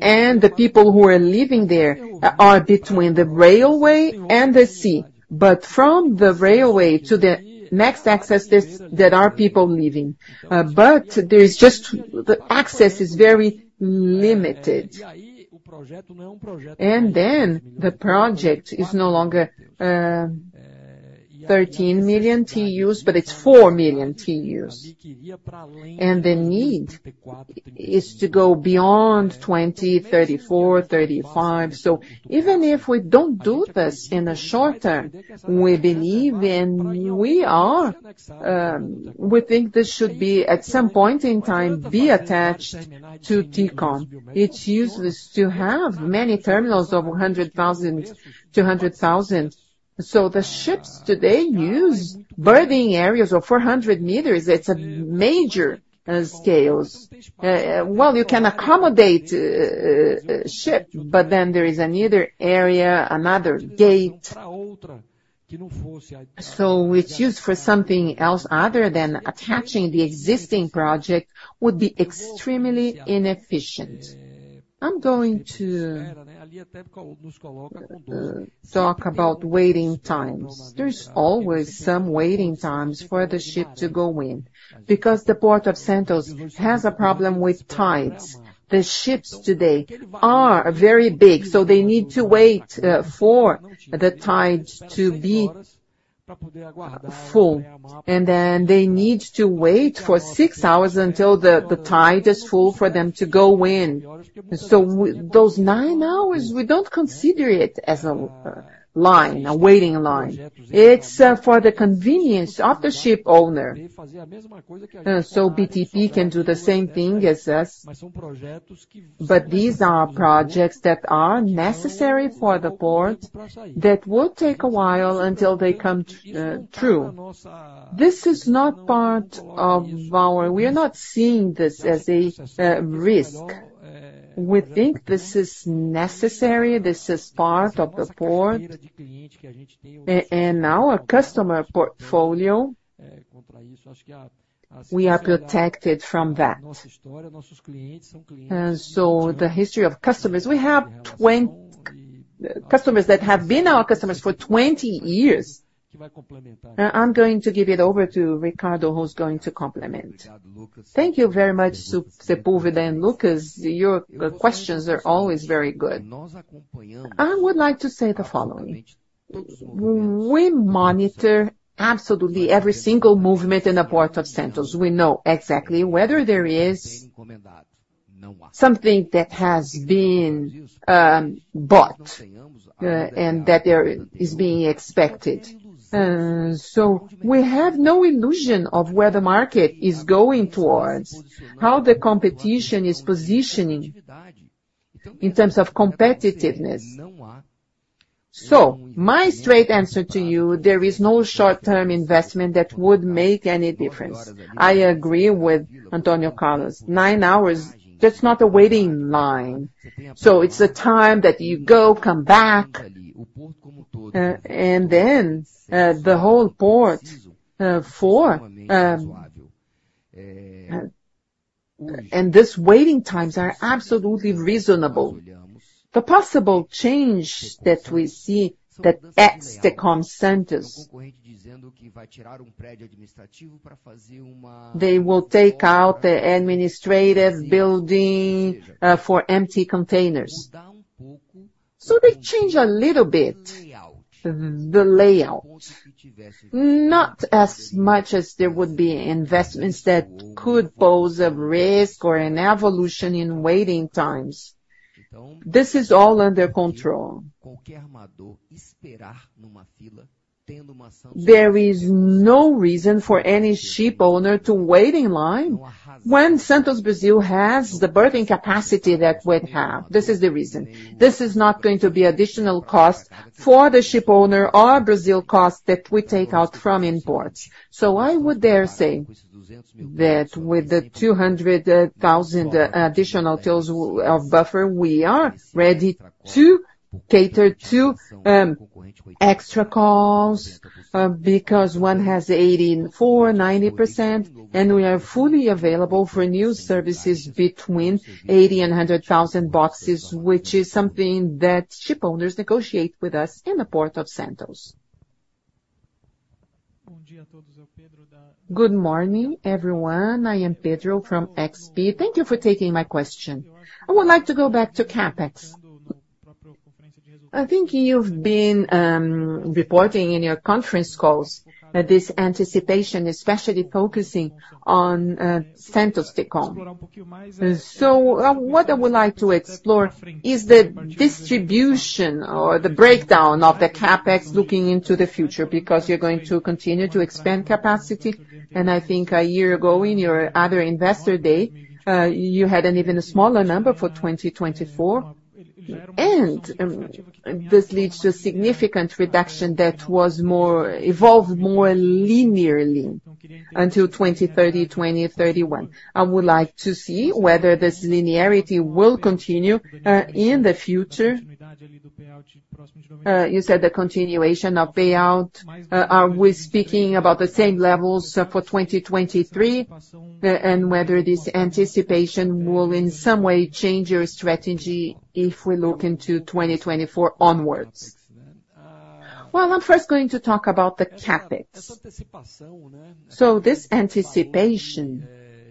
and the people who are living there are between the railway and the sea. But from the railway to the next access, there are people living. But the access is very limited. And then, the project is no longer 13 million TEUs, but it's 4 million TEUs. And the need is to go beyond 2034, 2035. So even if we don't do this in the short term, we believe and we are, we think this should be, at some point in time, be attached to Tecon. It's useless to have many terminals of 100,000, 200,000. So the ships today use berthing areas of 400 m. It's a major scales. Well, you can accommodate a ship, but then there is another area, another gate. So it's used for something else other than attaching the existing project would be extremely inefficient. I'm going to talk about waiting times. There's always some waiting times for the ship to go in, because the Port of Santos has a problem with tides. The ships today are very big, so they need to wait for the tides to be full, and then they need to wait for six hours until the tide is full for them to go in. So those nine hours, we don't consider it as a line, a waiting line. It's for the convenience of the ship owner. So BTP can do the same thing as us. But these are projects that are necessary for the port, that will take a while until they come true. This is not part of our, we are not seeing this as a risk. We think this is necessary, this is part of the port, and our customer portfolio, we are protected from that. And so the history of customers, we have 20 customers that have been our customers for 20 years. Now, I'm going to give it over to Ricardo, who's going to complement. Thank you very much, Sepúlveda and Lucas. Your questions are always very good. I would like to say the following: we monitor absolutely every single movement in the Port of Santos. We know exactly whether there is something that has been bought and that there is being expected. So we have no illusion of where the market is going towards, how the competition is positioning in terms of competitiveness. So my straight answer to you, there is no short-term investment that would make any difference. I agree with Antônio Carlos. Nine hours, that's not a waiting line. So it's a time that you go, come back, and then the whole port for and these waiting times are absolutely reasonable. The possible change that we see at the Tecon Santos, they will take out the administrative building for empty containers. So they change a little bit, the layout, not as much as there would be investments that could pose a risk or an evolution in waiting times. This is all under control. There is no reason for any ship owner to wait in line when Santos Brasil has the berthing capacity that we have. This is the reason. This is not going to be additional cost for the ship owner or Brasil cost that we take out from imports. So I would dare say that with the 200,000 additional TEUs of buffer, we are ready to cater to extra calls because one has 84%-90%, and we are fully available for new services between 80,000 and 100,000 boxes, which is something that shipowners negotiate with us in the Port of Santos. Good morning, everyone. I am Pedro from XP. Thank you for taking my question. I would like to go back to CapEx. I think you've been reporting in your conference calls that this anticipation, especially focusing on Tecon Santos. So what I would like to explore is the distribution or the breakdown of the CapEx looking into the future, because you're going to continue to expand capacity. I think a year ago, in your other Investor Day, you had an even smaller number for 2024. This leads to a significant reduction that was more evolved more linearly until 2030, 2031. I would like to see whether this linearity will continue in the future? You said the continuation of payout. Are we speaking about the same levels for 2023, and whether this anticipation will in some way change your strategy if we look into 2024 onwards? Well, I'm first going to talk about the CapEx. So this anticipation,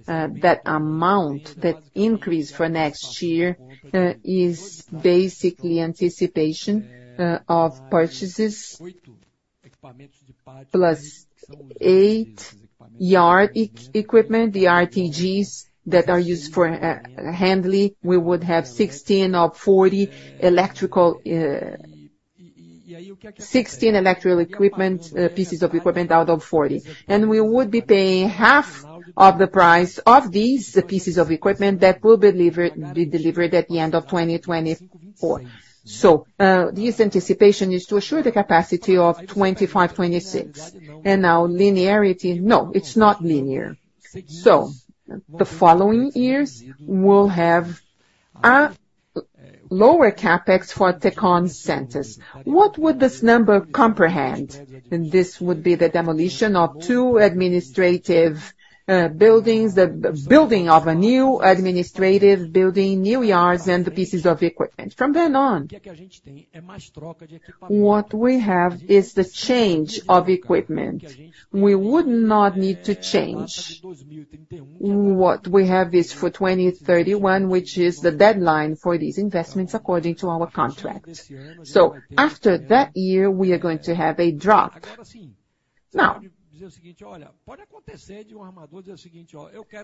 that amount, that increase for next year, is basically anticipation of purchases, plus 8 yard equipment, the RTGs that are used for handling. We would have 16 of 40 electrical, 16 electrical equipment, pieces of equipment out of 40. We would be paying half of the price of these pieces of equipment that will be delivered, be delivered at the end of 2024. So, this anticipation is to assure the capacity of 2025, 2026. And now linearity? No, it's not linear. So the following years will have a lower CapEx for Tecon centers. What would this number comprehend? And this would be the demolition of two administrative, buildings, the building of a new administrative building, new yards and the pieces of equipment. From then on, what we have is the change of equipment. We would not need to change. What we have is for 2031, which is the deadline for these investments, according to our contract. So after that year, we are going to have a drop. Now,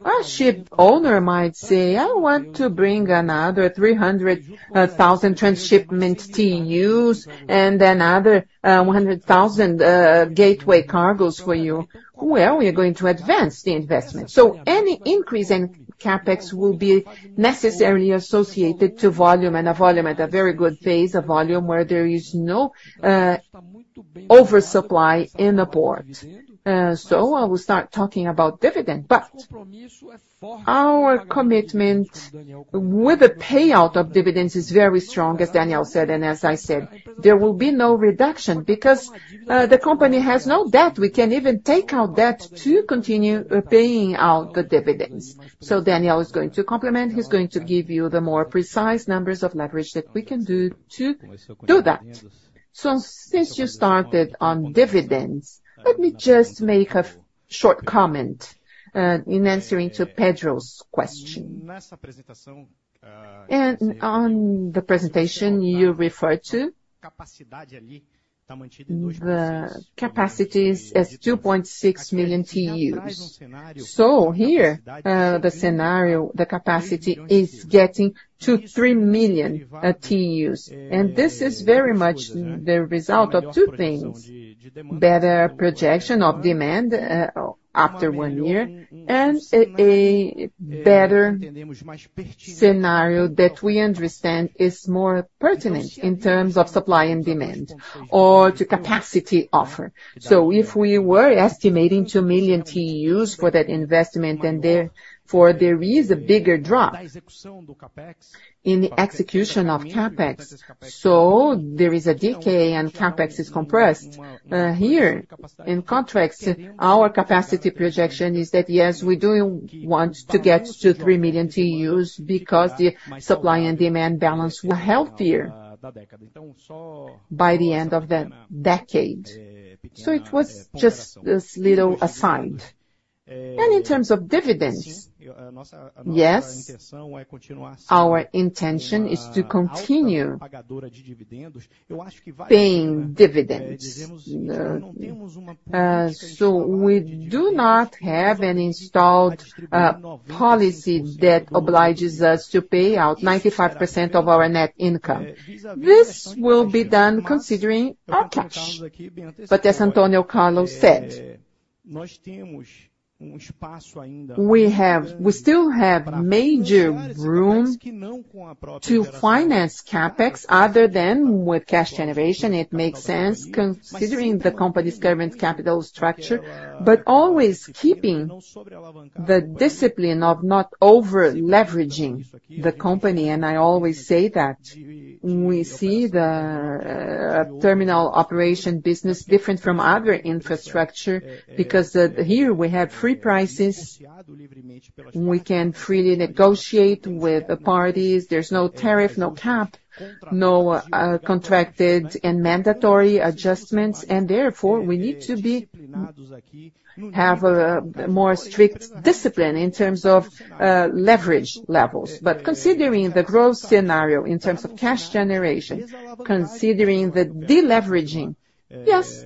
our ship owner might say, "I want to bring another 300,000 transshipment TEUs and another 100,000 gateway cargoes for you." Well, we are going to advance the investment. So any increase in CapEx will be necessarily associated to volume, and a volume at a very good phase, a volume where there is no oversupply in the port. So I will start talking about dividend, but our commitment with the payout of dividends is very strong, as Daniel said, and as I said. There will be no reduction because the company has no debt. We can even take out debt to continue paying out the dividends. So Daniel is going to complement. He's going to give you the more precise numbers of leverage that we can do to do that. So since you started on dividends, let me just make a short comment in answering to Pedro's question. And on the presentation you referred to, the capacities as 2.6 million TEUs. So here, the scenario, the capacity is getting to 3 million TEUs, and this is very much the result of two things: better projection of demand after one year, and a better scenario that we understand is more pertinent in terms of supply and demand or to capacity offer. So if we were estimating 2 million TEUs for that investment, then there is a bigger drop in the execution of CapEx, so there is a decay, and CapEx is compressed. Here, in contrast, our capacity projection is that, yes, we do want to get to 3 million TEUs because the supply and demand balance were healthier by the end of the decade. So it was just this little aside. And in terms of dividends, yes, our intention is to continue paying dividends. So we do not have an installed policy that obliges us to pay out 95% of our net income. This will be done considering our cash. But as Antônio Carlos said, we still have major room to finance CapEx other than with cash generation. It makes sense considering the company's current capital structure, but always keeping the discipline of not over-leveraging the company. And I always say that we see the terminal operation business different from other infrastructure, because here we have free prices. We can freely negotiate with the parties. There's no tariff, no cap, no contracted and mandatory adjustments, and therefore, we need to have a more strict discipline in terms of leverage levels. But considering the growth scenario in terms of cash generation, considering the deleveraging, yes,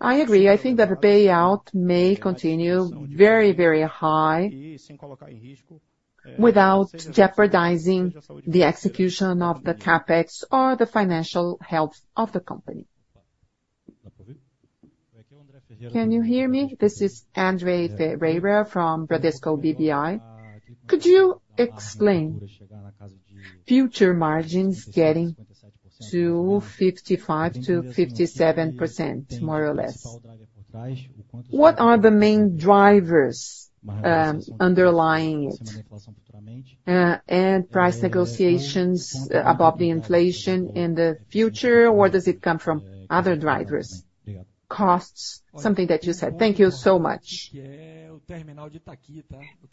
I agree. I think that the payout may continue very, very high without jeopardizing the execution of the CapEx or the financial health of the company. Can you hear me? This is André Ferreira from Bradesco BBI. Could you explain future margins getting to 55%-57%, more or less? What are the main drivers underlying it? And price negotiations above the inflation in the future, or does it come from other drivers? Costs, something that you said. Thank you so much.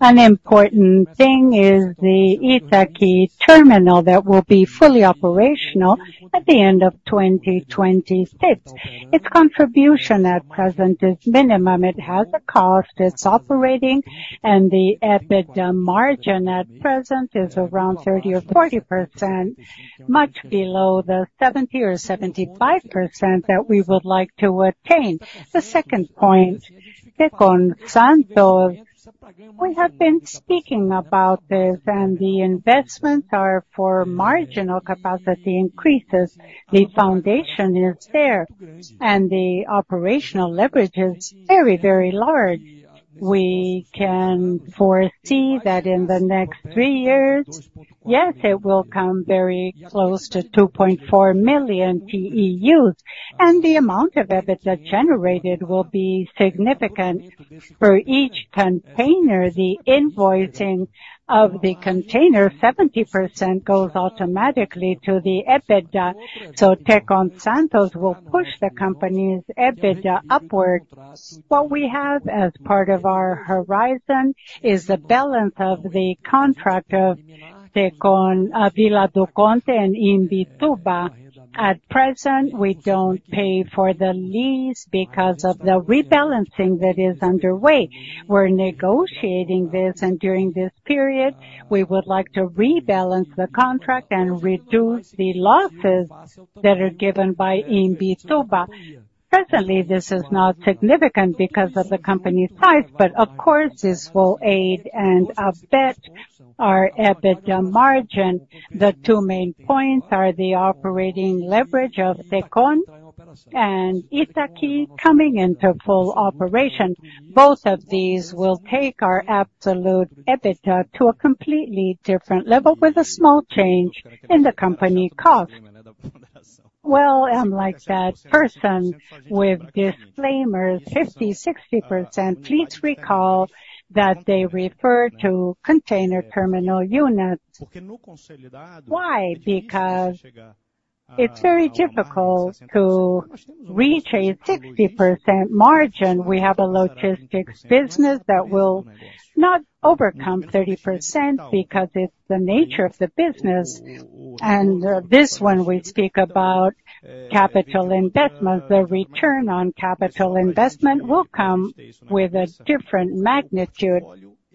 An important thing is the Itaqui terminal that will be fully operational at the end of 2026. Its contribution at present is minimum. It has a cost, it's operating, and the EBITDA margin at present is around 30% or 40%, much below the 70% or 75% that we would like to attain. The second point, Tecon Santos, we have been speaking about this, and the investments are for marginal capacity increases. The foundation is there, and the operational leverage is very, very large. We can foresee that in the next three years, yes, it will come very close to 2.4 million TEUs, and the amount of EBITDA generated will be significant. For each container, the invoicing of the container, 70% goes automatically to the EBITDA, so Tecon Santos will push the company's EBITDA upward. What we have as part of our horizon is the balance of the contract of Tecon Vila do Conde and Imbituba. At present, we don't pay for the lease because of the rebalancing that is underway. We're negotiating this, and during this period, we would like to rebalance the contract and reduce the losses that are given by Imbituba. Presently, this is not significant because of the company's size, but of course, this will aid and abet our EBITDA margin. The two main points are the operating leverage of Tecon and Itaqui coming into full operation. Both of these will take our absolute EBITDA to a completely different level with a small change in the company cost. Well, I'm like that person with disclaimers, 50%, 60%. Please recall that they refer to Container Terminal units. Why? Because it's very difficult to reach a 60% margin. We have a Logistics business that will not overcome 30%, because it's the nature of the business. And this one, we speak about capital investment. The return on capital investment will come with a different magnitude.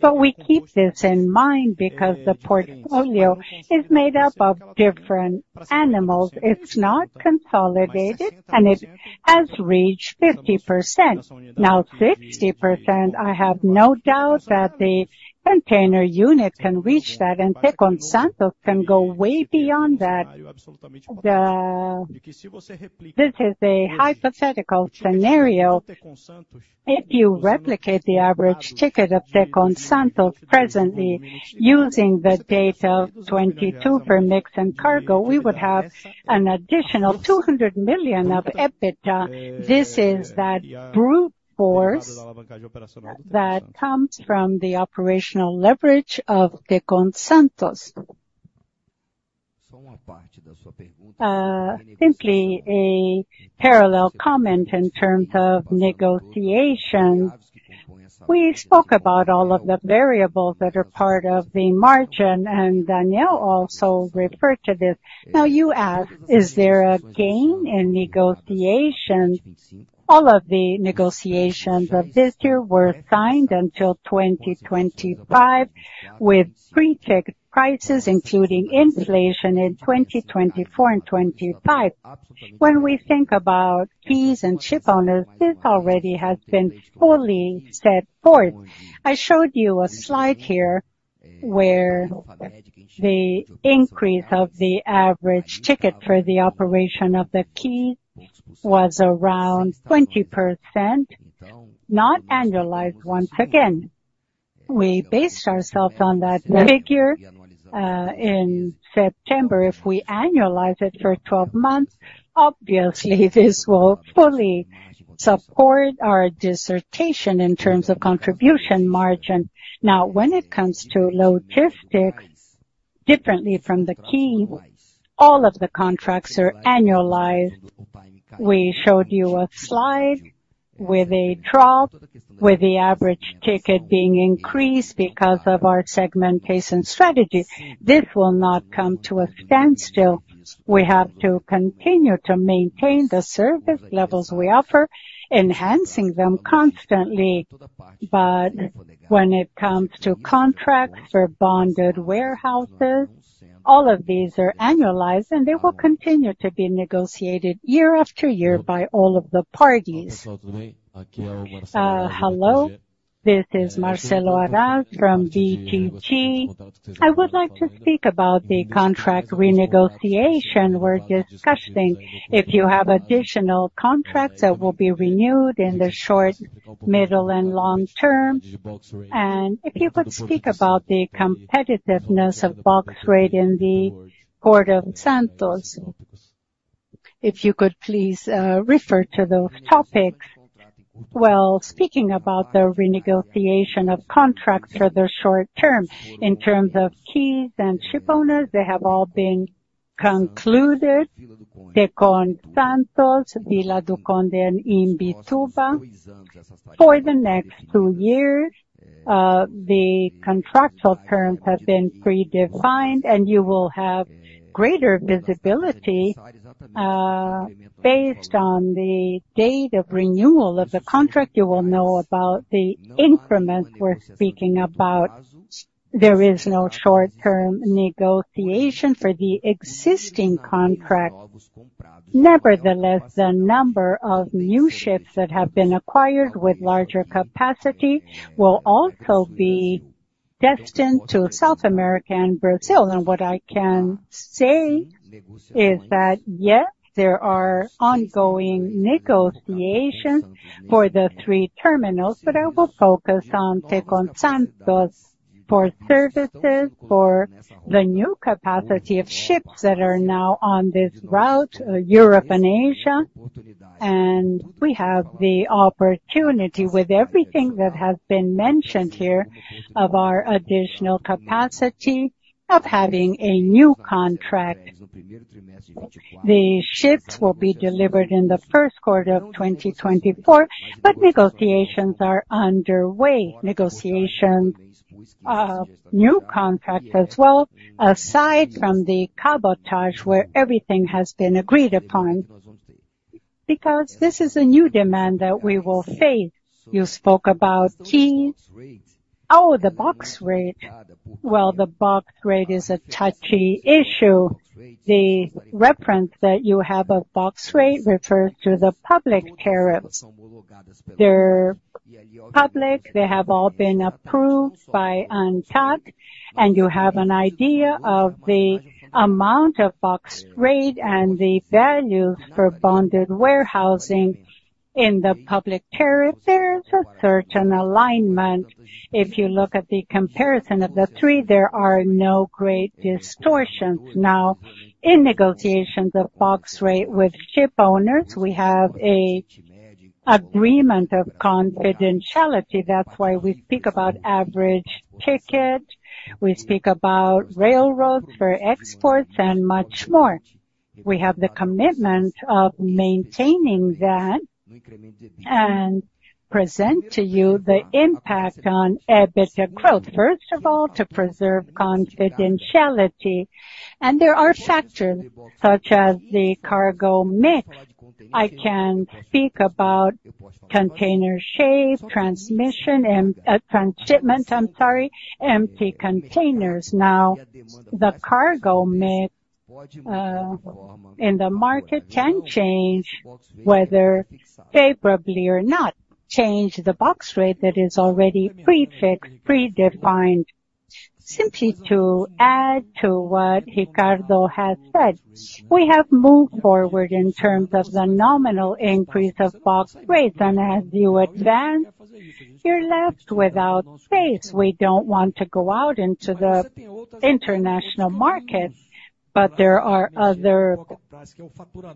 But we keep this in mind because the portfolio is made up of different animals. It's not consolidated, and it has reached 50%. Now, 60%, I have no doubt that the Container unit can reach that, and Tecon Santos can go way beyond that. This is a hypothetical scenario. If you replicate the average ticket of Tecon Santos presently, using the data of 2022 for mix and cargo, we would have an additional 200 million of EBITDA. This is that brute force that comes from the operatinal leverage of Tecon Santos. Simply a parallel comment in terms of negotiation. We spoke about all of the variables that are part of the margin, and Daniel also referred to this. Now, you ask, "Is there a gain in negotiation?" All of the negotiations of this year were signed until 2025, with pre-checked prices, including inflation in 2024 and 2025. When we think about fees and shipowners, this already has been fully set forth. I showed you a slide here where the increase of the average ticket for the operation of the quay was around 20%, not annualized once again. We based ourselves on that figure in September. If we annualize it for 12 months, obviously, this will fully support our dissertation in terms of contribution margin. Now, when it comes to logistics, differently from the quay, all of the contracts are annualized. We showed you a slide with a drop, with the average ticket being increased because of our segmentation strategy. This will not come to a standstill. We have to continue to maintain the service levels we offer, enhancing them constantly. But when it comes to contracts for bonded warehouses, all of these are annualized, and they will continue to be negotiated year after year by all of the parties. Hello, this is Marcelo Arazi from BTG. I would like to speak about the contract renegotiation we're discussing. If you have additional contracts that will be renewed in the short, middle, and long term, and if you could speak about the competitiveness of box rate in the Port of Santos? If you could please refer to those topics. Well, speaking about the renegotiation of contracts for the short term, in terms of quays and shipowners, they have all been concluded. Tecon Santos, Vila do Conde, and Imbituba. For the next two years, the contractual terms have been predefined and you will have greater visibility, based on the date of renewal of the contract, you will know about the increments we're speaking about. There is no short-term negotiation for the existing contract. Nevertheless, the number of new ships that have been acquired with larger capacity will also be destined to South America and Brazil. And what I can say is that, yes, there are ongoing negotiations for the three terminals, but I will focus on Tecon Santos for services, for the new capacity of ships that are now on this route, Europe and Asia. And we have the opportunity, with everything that has been mentioned here, of our additional capacity of having a new contract. The ships will be delivered in the first quarter of 2024, but negotiations are underway. Negotiation of new contract as well, aside from the cabotage, where everything has been agreed upon, because this is a new demand that we will face. You spoke about quay. Oh, the box rate. Well, the box rate is a touchy issue. The reference that you have of box rate refers to the public tariffs. They're public, they have all been approved by ANTAQ, and you have an idea of the amount of box rate and the values for bonded warehousing in the public tariff. There is a certain alignment. If you look at the comparison of the three, there are no great distortions. Now, in negotiations of box rate with shipowners, we have an agreement of confidentiality. That's why we speak about average ticket, we speak about railroads for exports and much more. We have the commitment of maintaining that and present to you the impact on EBITDA growth. First of all, to preserve confidentiality. There are factors such as the cargo mix. I can speak about Container share, transshipment, I'm sorry, empty containers. Now, the cargo mix in the market can change, whether favorably or not, change the box rate that is already pre-fixed, pre-defined. Simply to add to what Ricardo has said, we have moved forward in terms of the nominal increase of box rates, and as you advance, you're left without space. We don't want to go out into the international markets, but there are other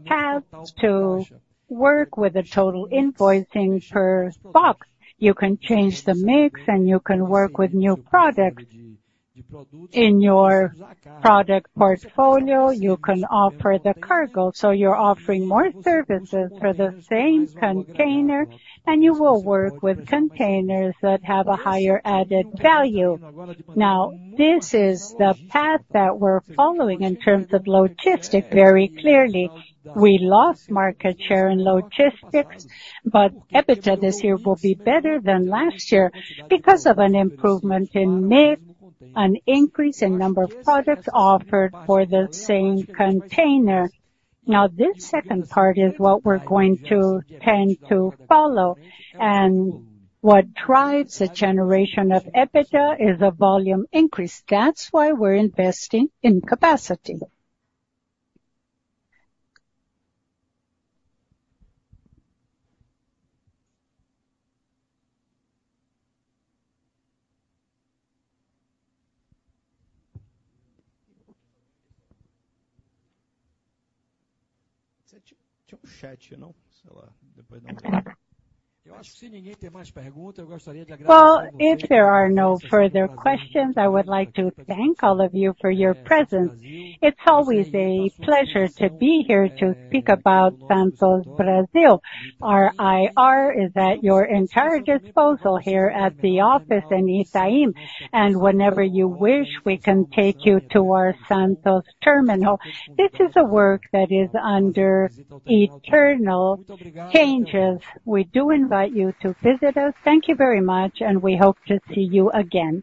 paths to work with the total invoicing per box. You can change the mix, and you can work with new product. In your product portfolio, you can offer the cargo, so you're offering more services for the same container, and you will work with containers that have a higher added value. Now, this is the path that we're following in terms of Logistics very clearly. We lost market share in logistics, but EBITDA this year will be better than last year because of an improvement in mix, an increase in number of products offered for the same container. Now, this second part is what we're going to tend to follow. And what drives the generation of EBITDA is a volume increase. That's why we're investing in capacity. Well, if there are no further questions, I would like to thank all of you for your presence. It's always a pleasure to be here to speak about Santos Brasil. Our IR is at your entire disposal here at the office in Itaim, and whenever you wish, we can take you to our Santos terminal. This is a work that is under eternal changes. We do invite you to visit us. Thank you very much, and we hope to see you again.